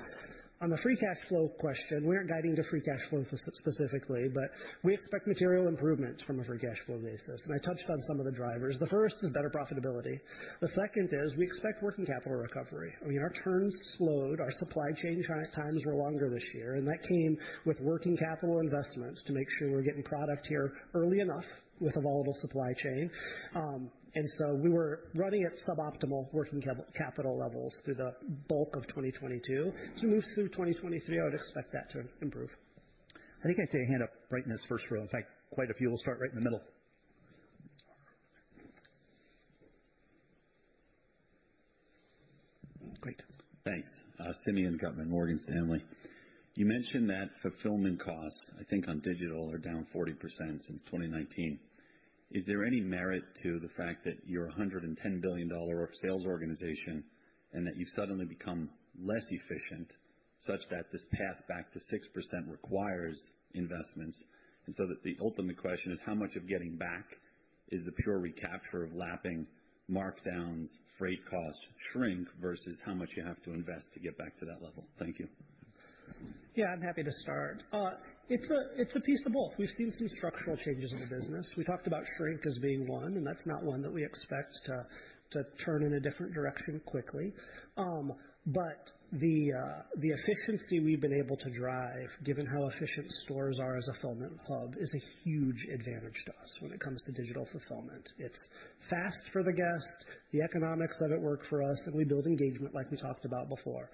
On the free cash flow question, we aren't guiding to free cash flow specifically, but we expect material improvements from a free cash flow basis, and I touched on some of the drivers. The first is better profitability. The second is we expect working capital recovery. I mean, our turns slowed, our supply chain times were longer this year, and that came with working capital investments to make sure we're getting product here early enough with a volatile supply chain. We were running at suboptimal working capital levels through the bulk of 2022. As we move through 2023, I would expect that to improve. I think I see a hand up right in this first row. In fact, quite a few. We'll start right in the middle. Great. Thanks. Simeon Gutman, Morgan Stanley. You mentioned that fulfillment costs, I think on digital, are down 40% since 2019. Is there any merit to the fact that you're a $110 billion sales organization and that you've suddenly become less efficient, such that this path back to 6% requires investments? That the ultimate question is how much of getting back is the pure recapture of lapping markdowns, freight costs, shrink, versus how much you have to invest to get back to that level? Thank you. Yeah, I'm happy to start. It's a, it's a piece of both. We've seen some structural changes in the business. We talked about shrink as being one, that's not one that we expect to turn in a different direction quickly. The efficiency we've been able to drive, given how efficient stores are as a fulfillment hub, is a huge advantage to us when it comes to digital fulfillment. It's fast for the guests, the economics of it work for us, we build engagement like we talked about before.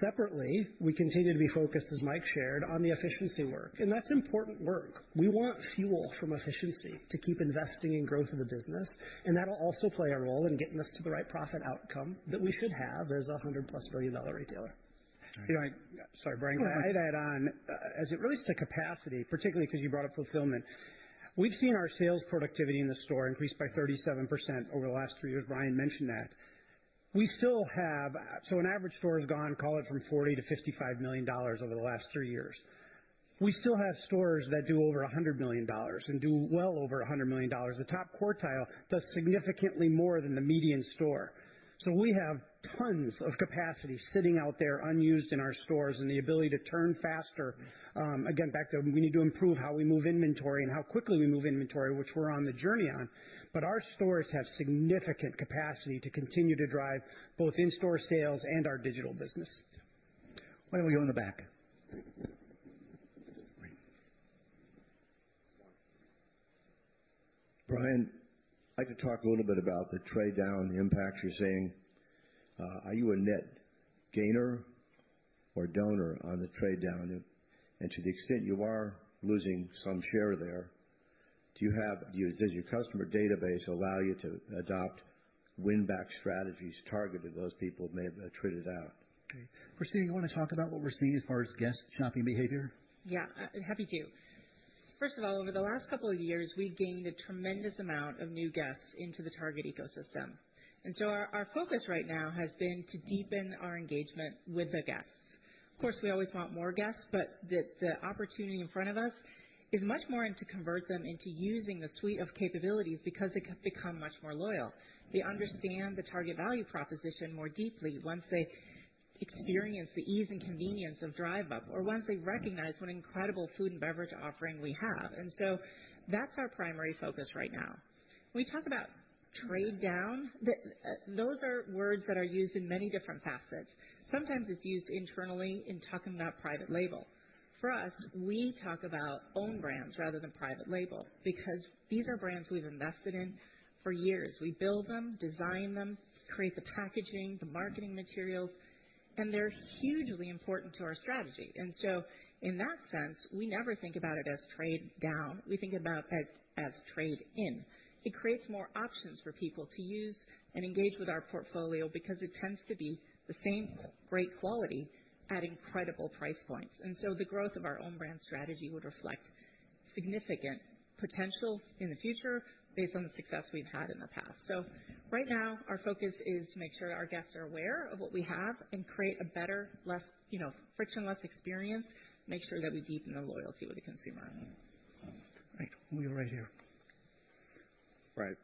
Separately, we continue to be focused, as Mike shared, on the efficiency work, that's important work. We want fuel from efficiency to keep investing in growth of the business, and that'll also play a role in getting us to the right profit outcome that we should have as a $100+ billion retailer. You know, I... Sorry, Brian. Go ahead. I'd add on, as it relates to capacity, particularly because you brought up fulfillment, we've seen our sales productivity in the store increase by 37% over the last three years. Brian mentioned that. We still have. An average store has gone, call it from $40 million-$55 million over the last three years. We still have stores that do over $100 million and do well over $100 million. The top quartile does significantly more than the median store. We have tons of capacity sitting out there unused in our stores and the ability to turn faster, again, back to we need to improve how we move inventory and how quickly we move inventory, which we're on the journey on. Our stores have significant capacity to continue to drive both in-store sales and our digital business. Why don't we go in the back? Great. Brian, I'd like to talk a little bit about the trade down, the impacts you're seeing. Are you a net gainer or donor on the trade down? To the extent you are losing some share there, Does your customer database allow you to adopt win-back strategies targeted to those people may have traded out? Okay. Christina, you wanna talk about what we're seeing as far as guest shopping behavior? Yeah, happy to. First of all, over the last couple of years, we gained a tremendous amount of new guests into the Target ecosystem. Our focus right now has been to deepen our engagement with the guests. Of course, we always want more guests, but the opportunity in front of us is much more in to convert them into using the suite of capabilities because they become much more loyal. They understand the Target value proposition more deeply once they experience the ease and convenience of Drive Up or once they recognize what an incredible food and beverage offering we have. That's our primary focus right now. We talk about trade down. The those are words that are used in many different facets. Sometimes it's used internally in talking about private label. For us, we talk about own brands rather than private label because these are brands we've invested in for years. We build them, design them, create the packaging, the marketing materials, and they're hugely important to our strategy. In that sense, we never think about it as trade down. We think about it as trade in. It creates more options for people to use and engage with our portfolio because it tends to be the same great quality at incredible price points. The growth of our own brand strategy would reflect significant potential in the future based on the success we've had in the past. Right now, our focus is to make sure our guests are aware of what we have and create a better, less, you know, frictionless experience. Make sure that we deepen the loyalty with the consumer. Right. We go right here. Right.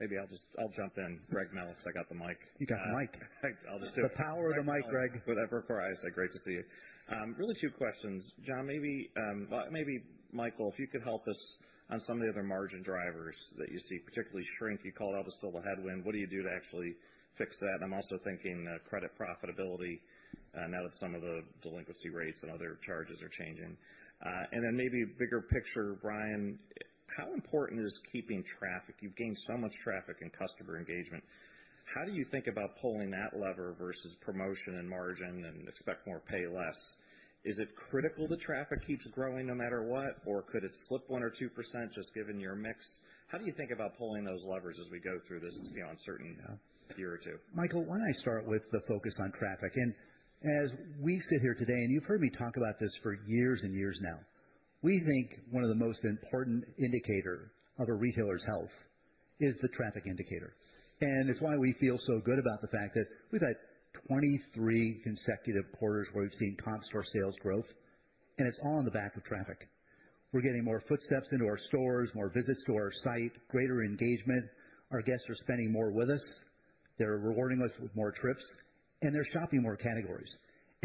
Maybe I'll just jump in, Greg, now, because I got the mic. You got the mic. I'll just do it. The power of the mic, Greg. Whatever. Faris, great to see you. Really two questions, John. Maybe Michael, if you could help us on some of the other margin drivers that you see, particularly shrink, you called out was still the headwind. What do you do to actually fix that? I'm also thinking credit profitability now that some of the delinquency rates and other charges are changing. Maybe bigger picture, Brian, how important is keeping traffic? You've gained so much traffic and customer engagement. How do you think about pulling that lever versus promotion and margin and expect more, pay less? Is it critical the traffic keeps growing no matter what? Or could it slip 1% or 2% just given your mix? How do you think about pulling those levers as we go through this uncertain year or two? Michael, why don't I start with the focus on traffic. As we sit here today, and you've heard me talk about this for years and years now, we think one of the most important indicator of a retailer's health is the traffic indicator. It's why we feel so good about the fact that we've had 23 consecutive quarters where we've seen comp store sales growth, and it's all on the back of traffic. We're getting more footsteps into our stores, more visits to our site, greater engagement. Our guests are spending more with us. They're rewarding us with more trips, and they're shopping more categories.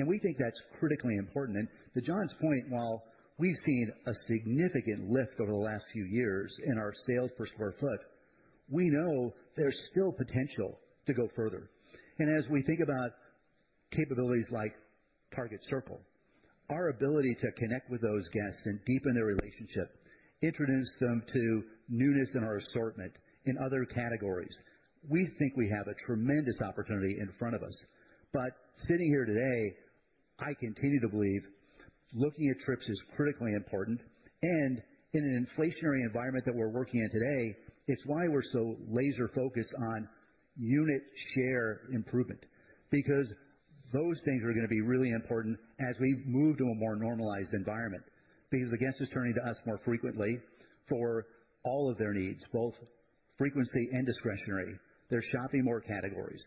We think that's critically important. To John's point, while we've seen a significant lift over the last few years in our sales per square foot, we know there's still potential to go further. As we think about capabilities like Target Circle, our ability to connect with those guests and deepen their relationship, introduce them to newness in our assortment in other categories, we think we have a tremendous opportunity in front of us. Sitting here today, I continue to believe looking at trips is critically important. In an inflationary environment that we're working in today, it's why we're so laser focused on unit share improvement, because those things are gonna be really important as we move to a more normalized environment. The guest is turning to us more frequently for all of their needs, both frequency and discretionary. They're shopping more categories.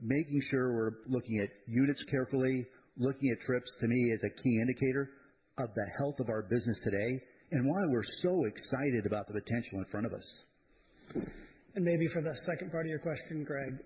Making sure we're looking at units carefully, looking at trips, to me, is a key indicator of the health of our business today and why we're so excited about the potential in front of us. Maybe for the second part of your question, Greg,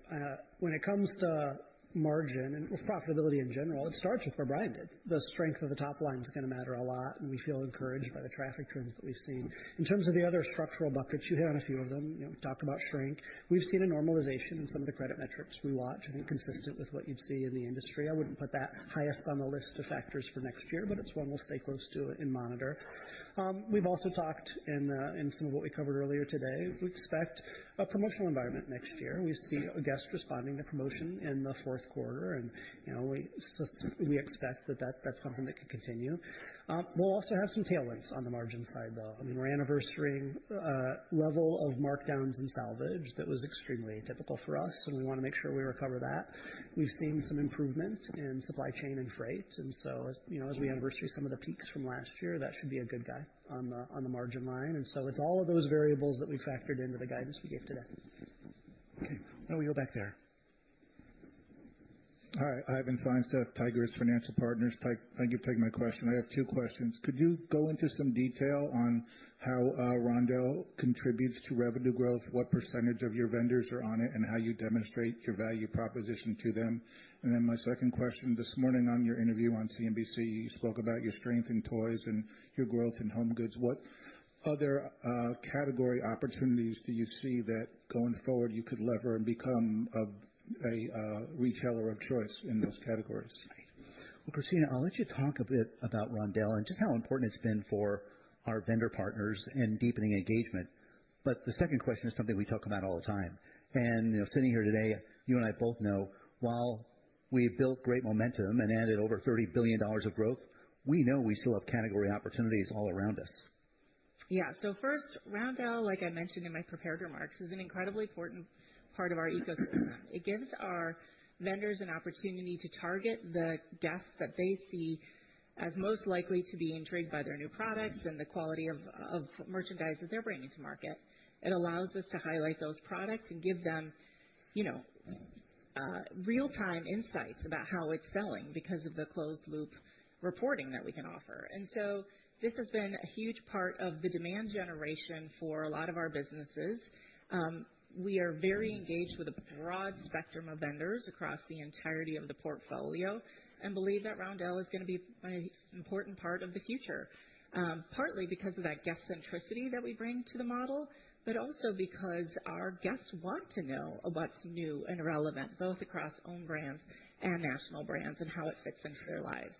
when it comes to margin and profitability in general, it starts with where Brian did. The strength of the top line is gonna matter a lot, and we feel encouraged by the traffic trends that we've seen. In terms of the other structural buckets, you hit on a few of them. You know, talked about shrink. We've seen a normalization in some of the credit metrics we watch. I think consistent with what you'd see in the industry, I wouldn't put that highest on the list of factors for next year, but it's one we'll stay close to and monitor. We've also talked in some of what we covered earlier today, we expect a promotional environment next year. We see guests responding to promotion in the fourth quarter and, you know, so we expect that's something that could continue. We'll also have some tailwinds on the margin side, though. I mean, we're anniversarying a level of markdowns and salvage that was extremely atypical for us, and we want to make sure we recover that. We've seen some improvement in supply chain and freight, and so, you know, as we anniversary some of the peaks from last year, that should be a good guy on the margin line. It's all of those variables that we factored into the guidance we gave today. Okay, now we go back there. All right, Ivan Feinseth, Tigress Financial Partners. Thank you for taking my question. I have two questions. Could you go into some detail on how Roundel contributes to revenue growth? What percentage of your vendors are on it, and how you demonstrate your value proposition to them? And then my second question, this morning on your interview on CNBC, you spoke about your strength in toys and your growth in home goods, what other category opportunities do you see that going forward you could lever and become a retailer of choice in those categories? Well, Christina, I'll let you talk a bit about Roundel and just how important it's been for our vendor partners in deepening engagement. The second question is something we talk about all the time. You know, sitting here today, you and I both know while we have built great momentum and added over $30 billion of growth, we know we still have category opportunities all around us. Yeah. First, Roundel, like I mentioned in my prepared remarks, is an incredibly important part of our ecosystem. It gives our vendors an opportunity to target the guests that they see as most likely to be intrigued by their new products and the quality of merchandise that they're bringing to market. It allows us to highlight those products and give them, you know, real-time insights about how it's selling because of the closed loop reporting that we can offer. This has been a huge part of the demand generation for a lot of our businesses. We are very engaged with a broad spectrum of vendors across the entirety of the portfolio and believe that Roundel is gonna be an important part of the future. Partly because of that guest centricity that we bring to the model, also because our guests want to know what's new and relevant, both across own brands and national brands and how it fits into their lives.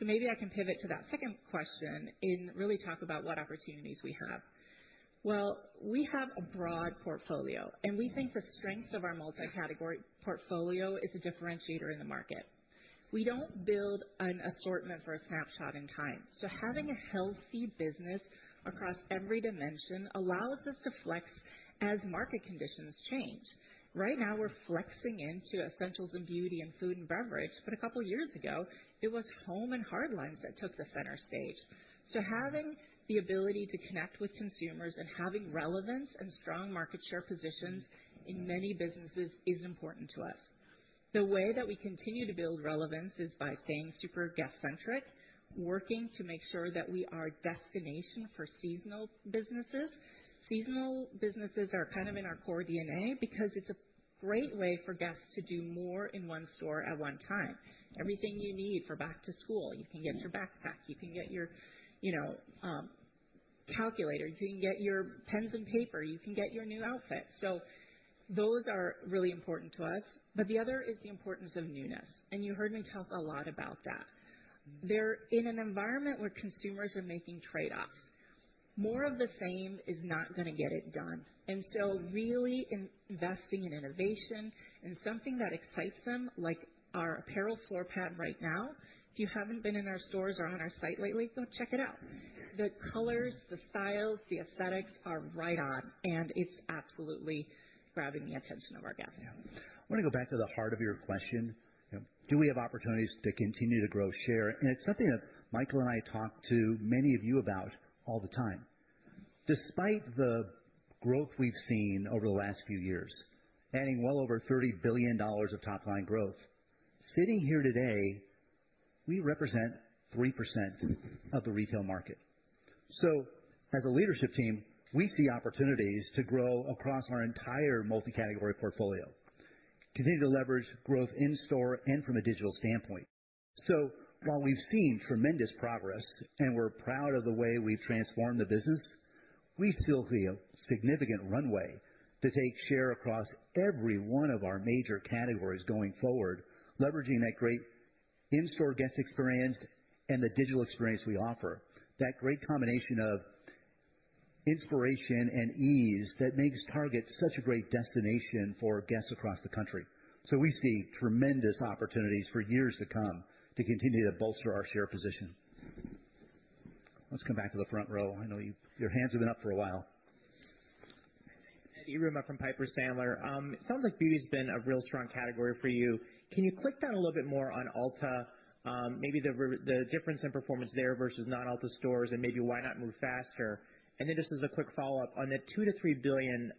Maybe I can pivot to that second question and really talk about what opportunities we have. We have a broad portfolio, and we think the strength of our multi-category portfolio is a differentiator in the market. We don't build an assortment for a snapshot in time. Having a healthy business across every dimension allows us to flex as market conditions change. Right now, we're flexing into essentials and beauty and food and beverage, but a couple years ago, it was home and hard lines that took the center stage. Having the ability to connect with consumers and having relevance and strong market share positions in many businesses is important to us. The way that we continue to build relevance is by staying super guest centric, working to make sure that we are a destination for seasonal businesses. Seasonal businesses are kind of in our core DNA because it's a great way for guests to do more in one store at one time. Everything you need for back to school, you can get your backpack, you can get your, you know, calculator, you can get your pens and paper, you can get your new outfit. Those are really important to us. The other is the importance of newness, and you heard me talk a lot about that. They're in an environment where consumers are making trade-offs. More of the same is not gonna get it done. Really investing in innovation and something that excites them, like our apparel floor pad right now. If you haven't been in our stores or on our site lately, go check it out. The colors, the styles, the aesthetics are right on, and it's absolutely grabbing the attention of our guests. Yeah. I wanna go back to the heart of your question, you know. Do we have opportunities to continue to grow share? It's something that Michael and I talk to many of you about all the time. Despite the growth we've seen over the last few years, adding well over $30 billion of top line growth, sitting here today, we represent 3% of the retail market. As a leadership team, we see opportunities to grow across our entire multi-category portfolio, continue to leverage growth in store and from a digital standpoint. While we've seen tremendous progress and we're proud of the way we've transformed the business, we still see a significant runway to take share across every one of our major categories going forward, leveraging that great in-store guest experience and the digital experience we offer. That great combination of inspiration and ease that makes Target such a great destination for guests across the country. We see tremendous opportunities for years to come to continue to bolster our share position. Let's come back to the front row. I know your hands have been up for a while. Edward Yruma from Piper Sandler. It sounds like beauty's been a real strong category for you. Can you click down a little bit more on Ulta, maybe the difference in performance there versus non-Ulta stores, and maybe why not move faster? Just as a quick follow-up, on the $2 billion-$3 billion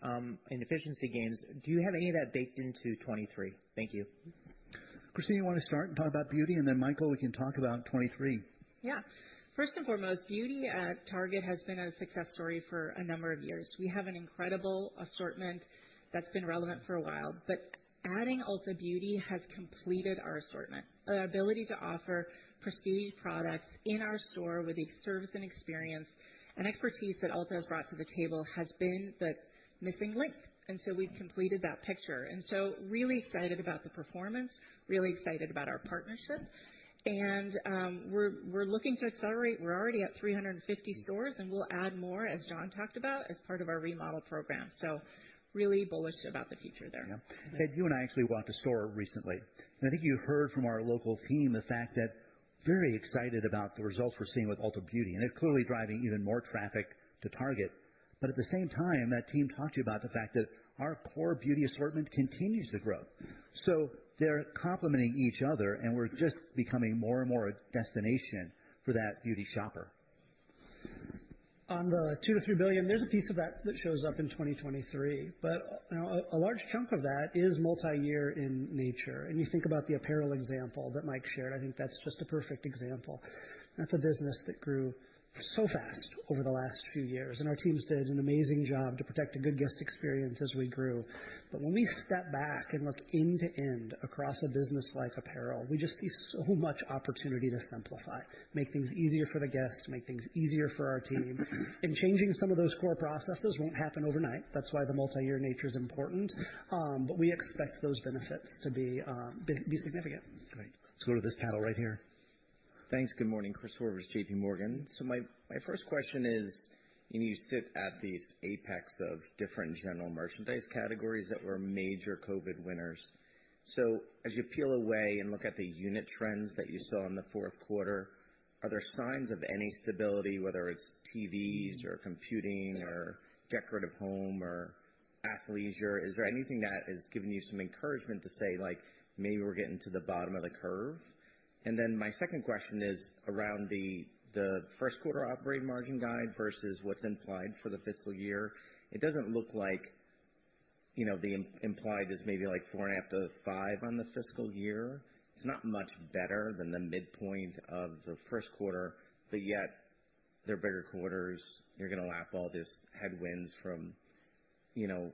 in efficiency gains, do you have any of that baked into 2023? Thank you. Christina, you wanna start and talk about beauty, and then Michael, we can talk about 2023. Yeah. First and foremost, beauty at Target has been a success story for a number of years. We have an incredible assortment that's been relevant for a while, but adding Ulta Beauty has completed our assortment. Our ability to offer prestige products in our store with the service and experience and expertise that Ulta has brought to the table has been the missing link. We've completed that picture, and so really excited about the performance, really excited about our partnership. We're looking to accelerate. We're already at 350 stores, and we'll add more, as John talked about, as part of our remodel program. Really bullish about the future there. Yeah. You and I actually walked the store recently. I think you heard from our local team the fact that very excited about the results we're seeing with Ulta Beauty, and it's clearly driving even more traffic to Target. At the same time, that team talked to you about the fact that our core beauty assortment continues to grow. They're complementing each other, and we're just becoming more and more a destination for that beauty shopper. On the $2 billion-$3 billion, there's a piece of that that shows up in 2023, you know, a large chunk of that is multi-year in nature. You think about the apparel example that Mike shared. I think that's just a perfect example. That's a business that grew so fast over the last few years, our teams did an amazing job to protect a good guest experience as we grew. When we step back and look end to end across a business like apparel, we just see so much opportunity to simplify, make things easier for the guests, make things easier for our team. Changing some of those core processes won't happen overnight. That's why the multi-year nature is important. We expect those benefits to be significant. Great. Let's go to this panel right here. Thanks. Good morning, Christopher Horvers, JPMorgan. My first question is, you sit at these apex of different general merchandise categories that were major COVID winners. As you peel away and look at the unit trends that you saw in the fourth quarter, are there signs of any stability, whether it's TVs or computing or decorative home or athleisure? Is there anything that has given you some encouragement to say, like, "Maybe we're getting to the bottom of the curve"? My second question is around the first quarter operating margin guide versus what's implied for the fiscal year. It doesn't look like, you know, the implied is maybe like 4.5%-5% on the fiscal year. It's not much better than the midpoint of the first quarter, but yet they're bigger quarters. You're gonna lap all this headwinds from, you know,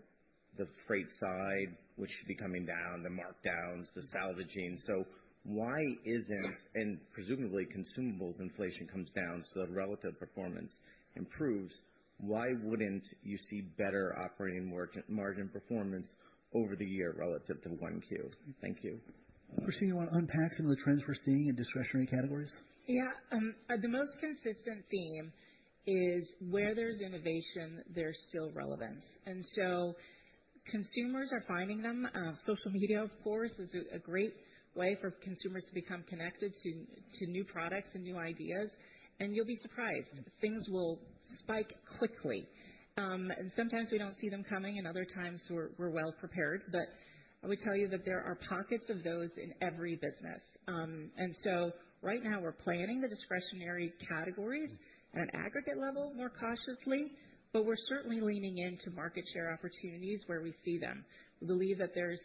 the freight side, which should be coming down, the markdowns, the salvaging. Presumably consumables inflation comes down, so the relative performance improves. Why wouldn't you see better operating margin performance over the year relative to 1Q? Thank you. Christina, you wanna unpack some of the trends we're seeing in discretionary categories? Yeah. The most consistent theme is where there's innovation, there's still relevance. Consumers are finding them. Social media, of course, is a great way for consumers to become connected to new products and new ideas. You'll be surprised things will spike quickly. And sometimes we don't see them coming, and other times we're well prepared. I would tell you that there are pockets of those in every business. Right now we're planning the discretionary categories at an aggregate level more cautiously, but we're certainly leaning into market share opportunities where we see them. We believe that there's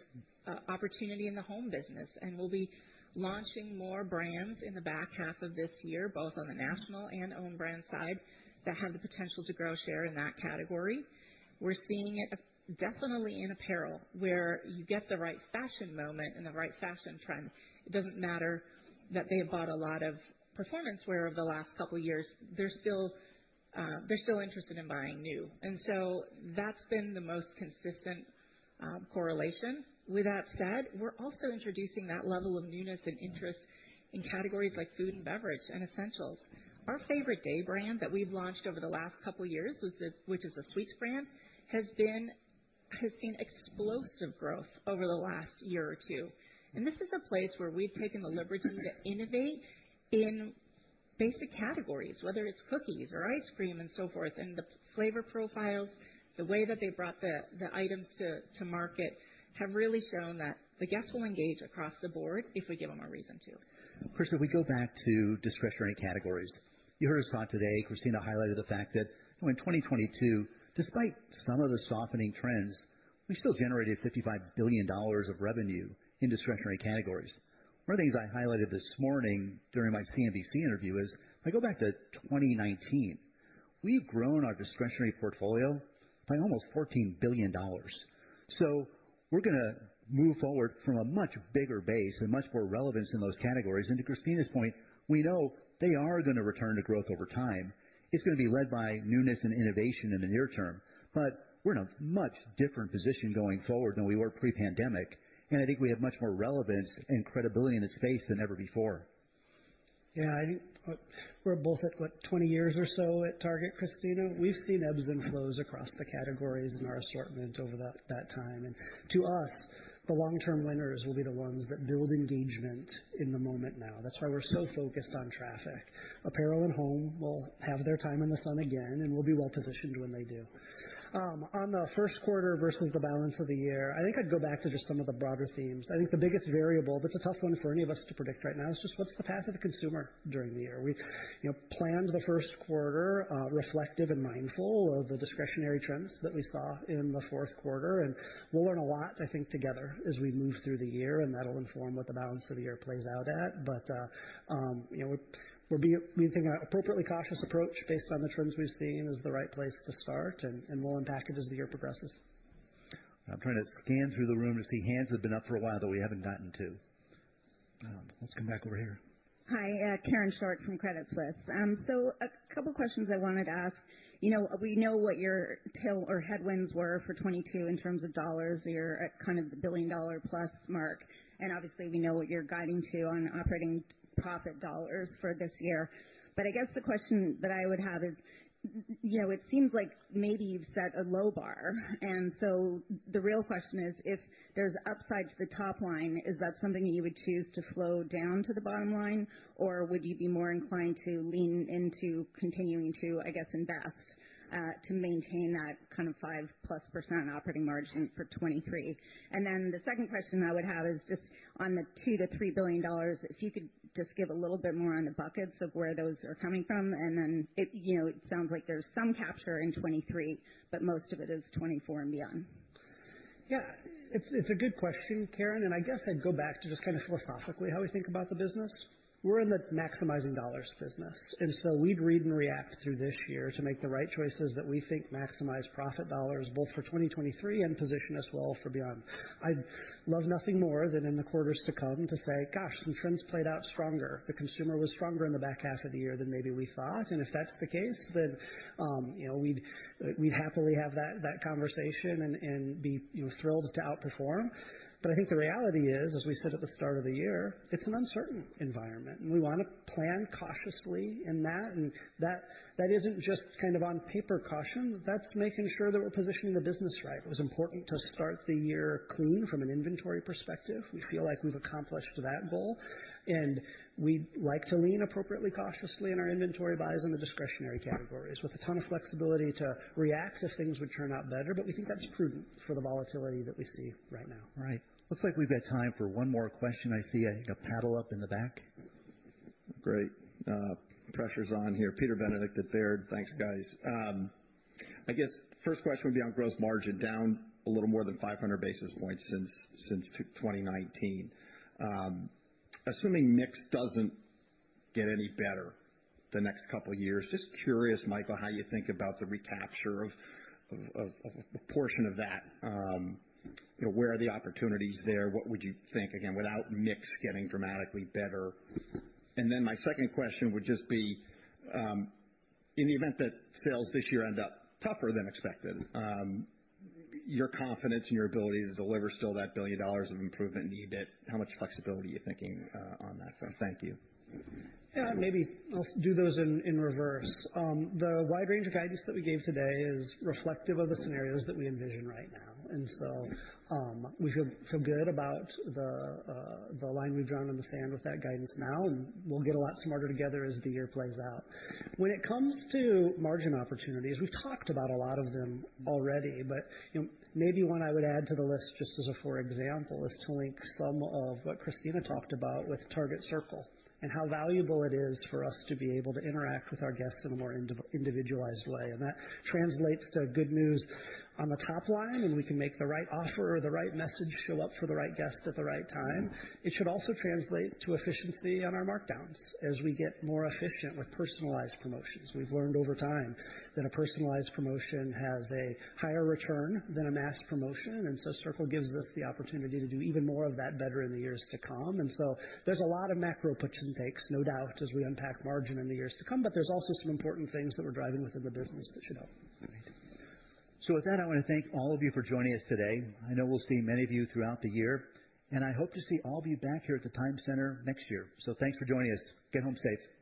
opportunity in the home business, and we'll be launching more brands in the back half of this year, both on the national and own brand side, that have the potential to grow share in that category. We're seeing it definitely in apparel, where you get the right fashion moment and the right fashion trend. It doesn't matter that they have bought a lot of performance wear over the last couple years. They're still, they're still interested in buying new. That's been the most consistent correlation. With that said, we're also introducing that level of newness and interest in categories like food and beverage and essentials. Our Favorite Day brand that we've launched over the last couple years was this, which is a sweets brand, has seen explosive growth over the last year or two. This is a place where we've taken the liberty to innovate in basic categories, whether it's cookies or ice cream and so forth. The flavor profiles, the way that they brought the items to market have really shown that the guest will engage across the board if we give them a reason to. Chris, if we go back to discretionary categories, you heard us talk today, Christina highlighted the fact that in 2022, despite some of the softening trends, we still generated $55 billion of revenue in discretionary categories. One of the things I highlighted this morning during my CNBC interview is if I go back to 2019, we've grown our discretionary portfolio by almost $14 billion. We're gonna move forward from a much bigger base with much more relevance in those categories. And to Christina's point, we know they are gonna return to growth over time. It's gonna be led by newness and innovation in the near term, but we're in a much different position going forward than we were pre-pandemic, and I think we have much more relevance and credibility in this space than ever before. Yeah. I think we're both at, what, 20 years or so at Target, Christina. We've seen ebbs and flows across the categories in our assortment over that time. To us, the long-term winners will be the ones that build engagement in the moment now. That's why we're so focused on traffic. Apparel and home will have their time in the sun again, and we'll be well positioned when they do. On the first quarter versus the balance of the year, I think I'd go back to just some of the broader themes. I think the biggest variable, but it's a tough one for any of us to predict right now, is just what's the path of the consumer during the year. We, you know, planned the first quarter, reflective and mindful of the discretionary trends that we saw in the fourth quarter, and we'll learn a lot, I think, together as we move through the year, and that'll inform what the balance of the year plays out at. You know, we think our appropriately cautious approach based on the trends we've seen is the right place to start, and we'll unpack it as the year progresses. I'm trying to scan through the room to see hands that have been up for a while that we haven't gotten to. Let's come back over here. Hi. Karen Short from Credit Suisse. A couple questions I wanted to ask. You know, we know what your tail or headwinds were for 2022 in terms of dollars. You're at kind of the $1+ billion mark, obviously we know what you're guiding to on operating profit dollars for this year. I guess the question that I would have is, you know, it seems like maybe you've set a low bar, the real question is, if there's upside to the top line, is that something you would choose to flow down to the bottom line, or would you be more inclined to lean into continuing to, I guess, invest to maintain that kind of 5%+ operating margin for 2023? The second question I would have is just on the $2 billion-$3 billion, if you could just give a little bit more on the buckets of where those are coming from, and then it, you know, it sounds like there's some capture in 2023, but most of it is 2024 and beyond. Yeah. It's a good question, Karen. I guess I'd go back to just kind of philosophically how we think about the business. We're in the maximizing dollars business. We'd read and react through this year to make the right choices that we think maximize profit dollars both for 2023 and position us well for beyond. I'd love nothing more than in the quarters to come to say, "Gosh, the trends played out stronger. The consumer was stronger in the back half of the year than maybe we thought." If that's the case, then, you know, we'd happily have that conversation and be, you know, thrilled to outperform. I think the reality is, as we said at the start of the year, it's an uncertain environment, and we wanna plan cautiously in that, and that isn't just kind of on paper caution. That's making sure that we're positioning the business right. It was important to start the year clean from an inventory perspective. We feel like we've accomplished that goal, and we like to lean appropriately cautiously in our inventory buys in the discretionary categories with a ton of flexibility to react if things would turn out better. We think that's prudent for the volatility that we see right now. Right. Looks like we've got time for one more question. I see a paddle up in the back. Great. Pressure's on here. Peter Benedict at Baird. Thanks, guys. I guess first question would be on gross margin, down a little more than 500 basis points since 2019. Assuming mix doesn't get any better the next couple years, just curious, Michael, on how you think about the recapture of a portion of that. You know, where are the opportunities there? What would you think, again, without mix getting dramatically better? My second question would just be, in the event that sales this year end up tougher than expected, your confidence in your ability to deliver still that $1 billion of improvement needed, how much flexibility are you thinking on that front? Thank you. Yeah. Maybe I'll do those in reverse. The wide range of guidance that we gave today is reflective of the scenarios that we envision right now. We feel good about the line we've drawn in the sand with that guidance now, and we'll get a lot smarter together as the year plays out. When it comes to margin opportunities, we've talked about a lot of them already, but, you know, maybe one I would add to the list just as a for example, is to link some of what Christina talked about with Target Circle and how valuable it is for us to be able to interact with our guests in a more individualized way. That translates to good news on the top line, and we can make the right offer or the right message show up for the right guests at the right time. It should also translate to efficiency on our markdowns as we get more efficient with personalized promotions. We've learned over time that a personalized promotion has a higher return than a mass promotion. So Circle gives us the opportunity to do even more of that better in the years to come. So there's a lot of macro puts and takes, no doubt, as we unpack margin in the years to come. There's also some important things that we're driving within the business that should help. With that, I wanna thank all of you for joining us today. I know we'll see many of you throughout the year, and I hope to see all of you back here at The Times Center next year. Thanks for joining us. Get home safe.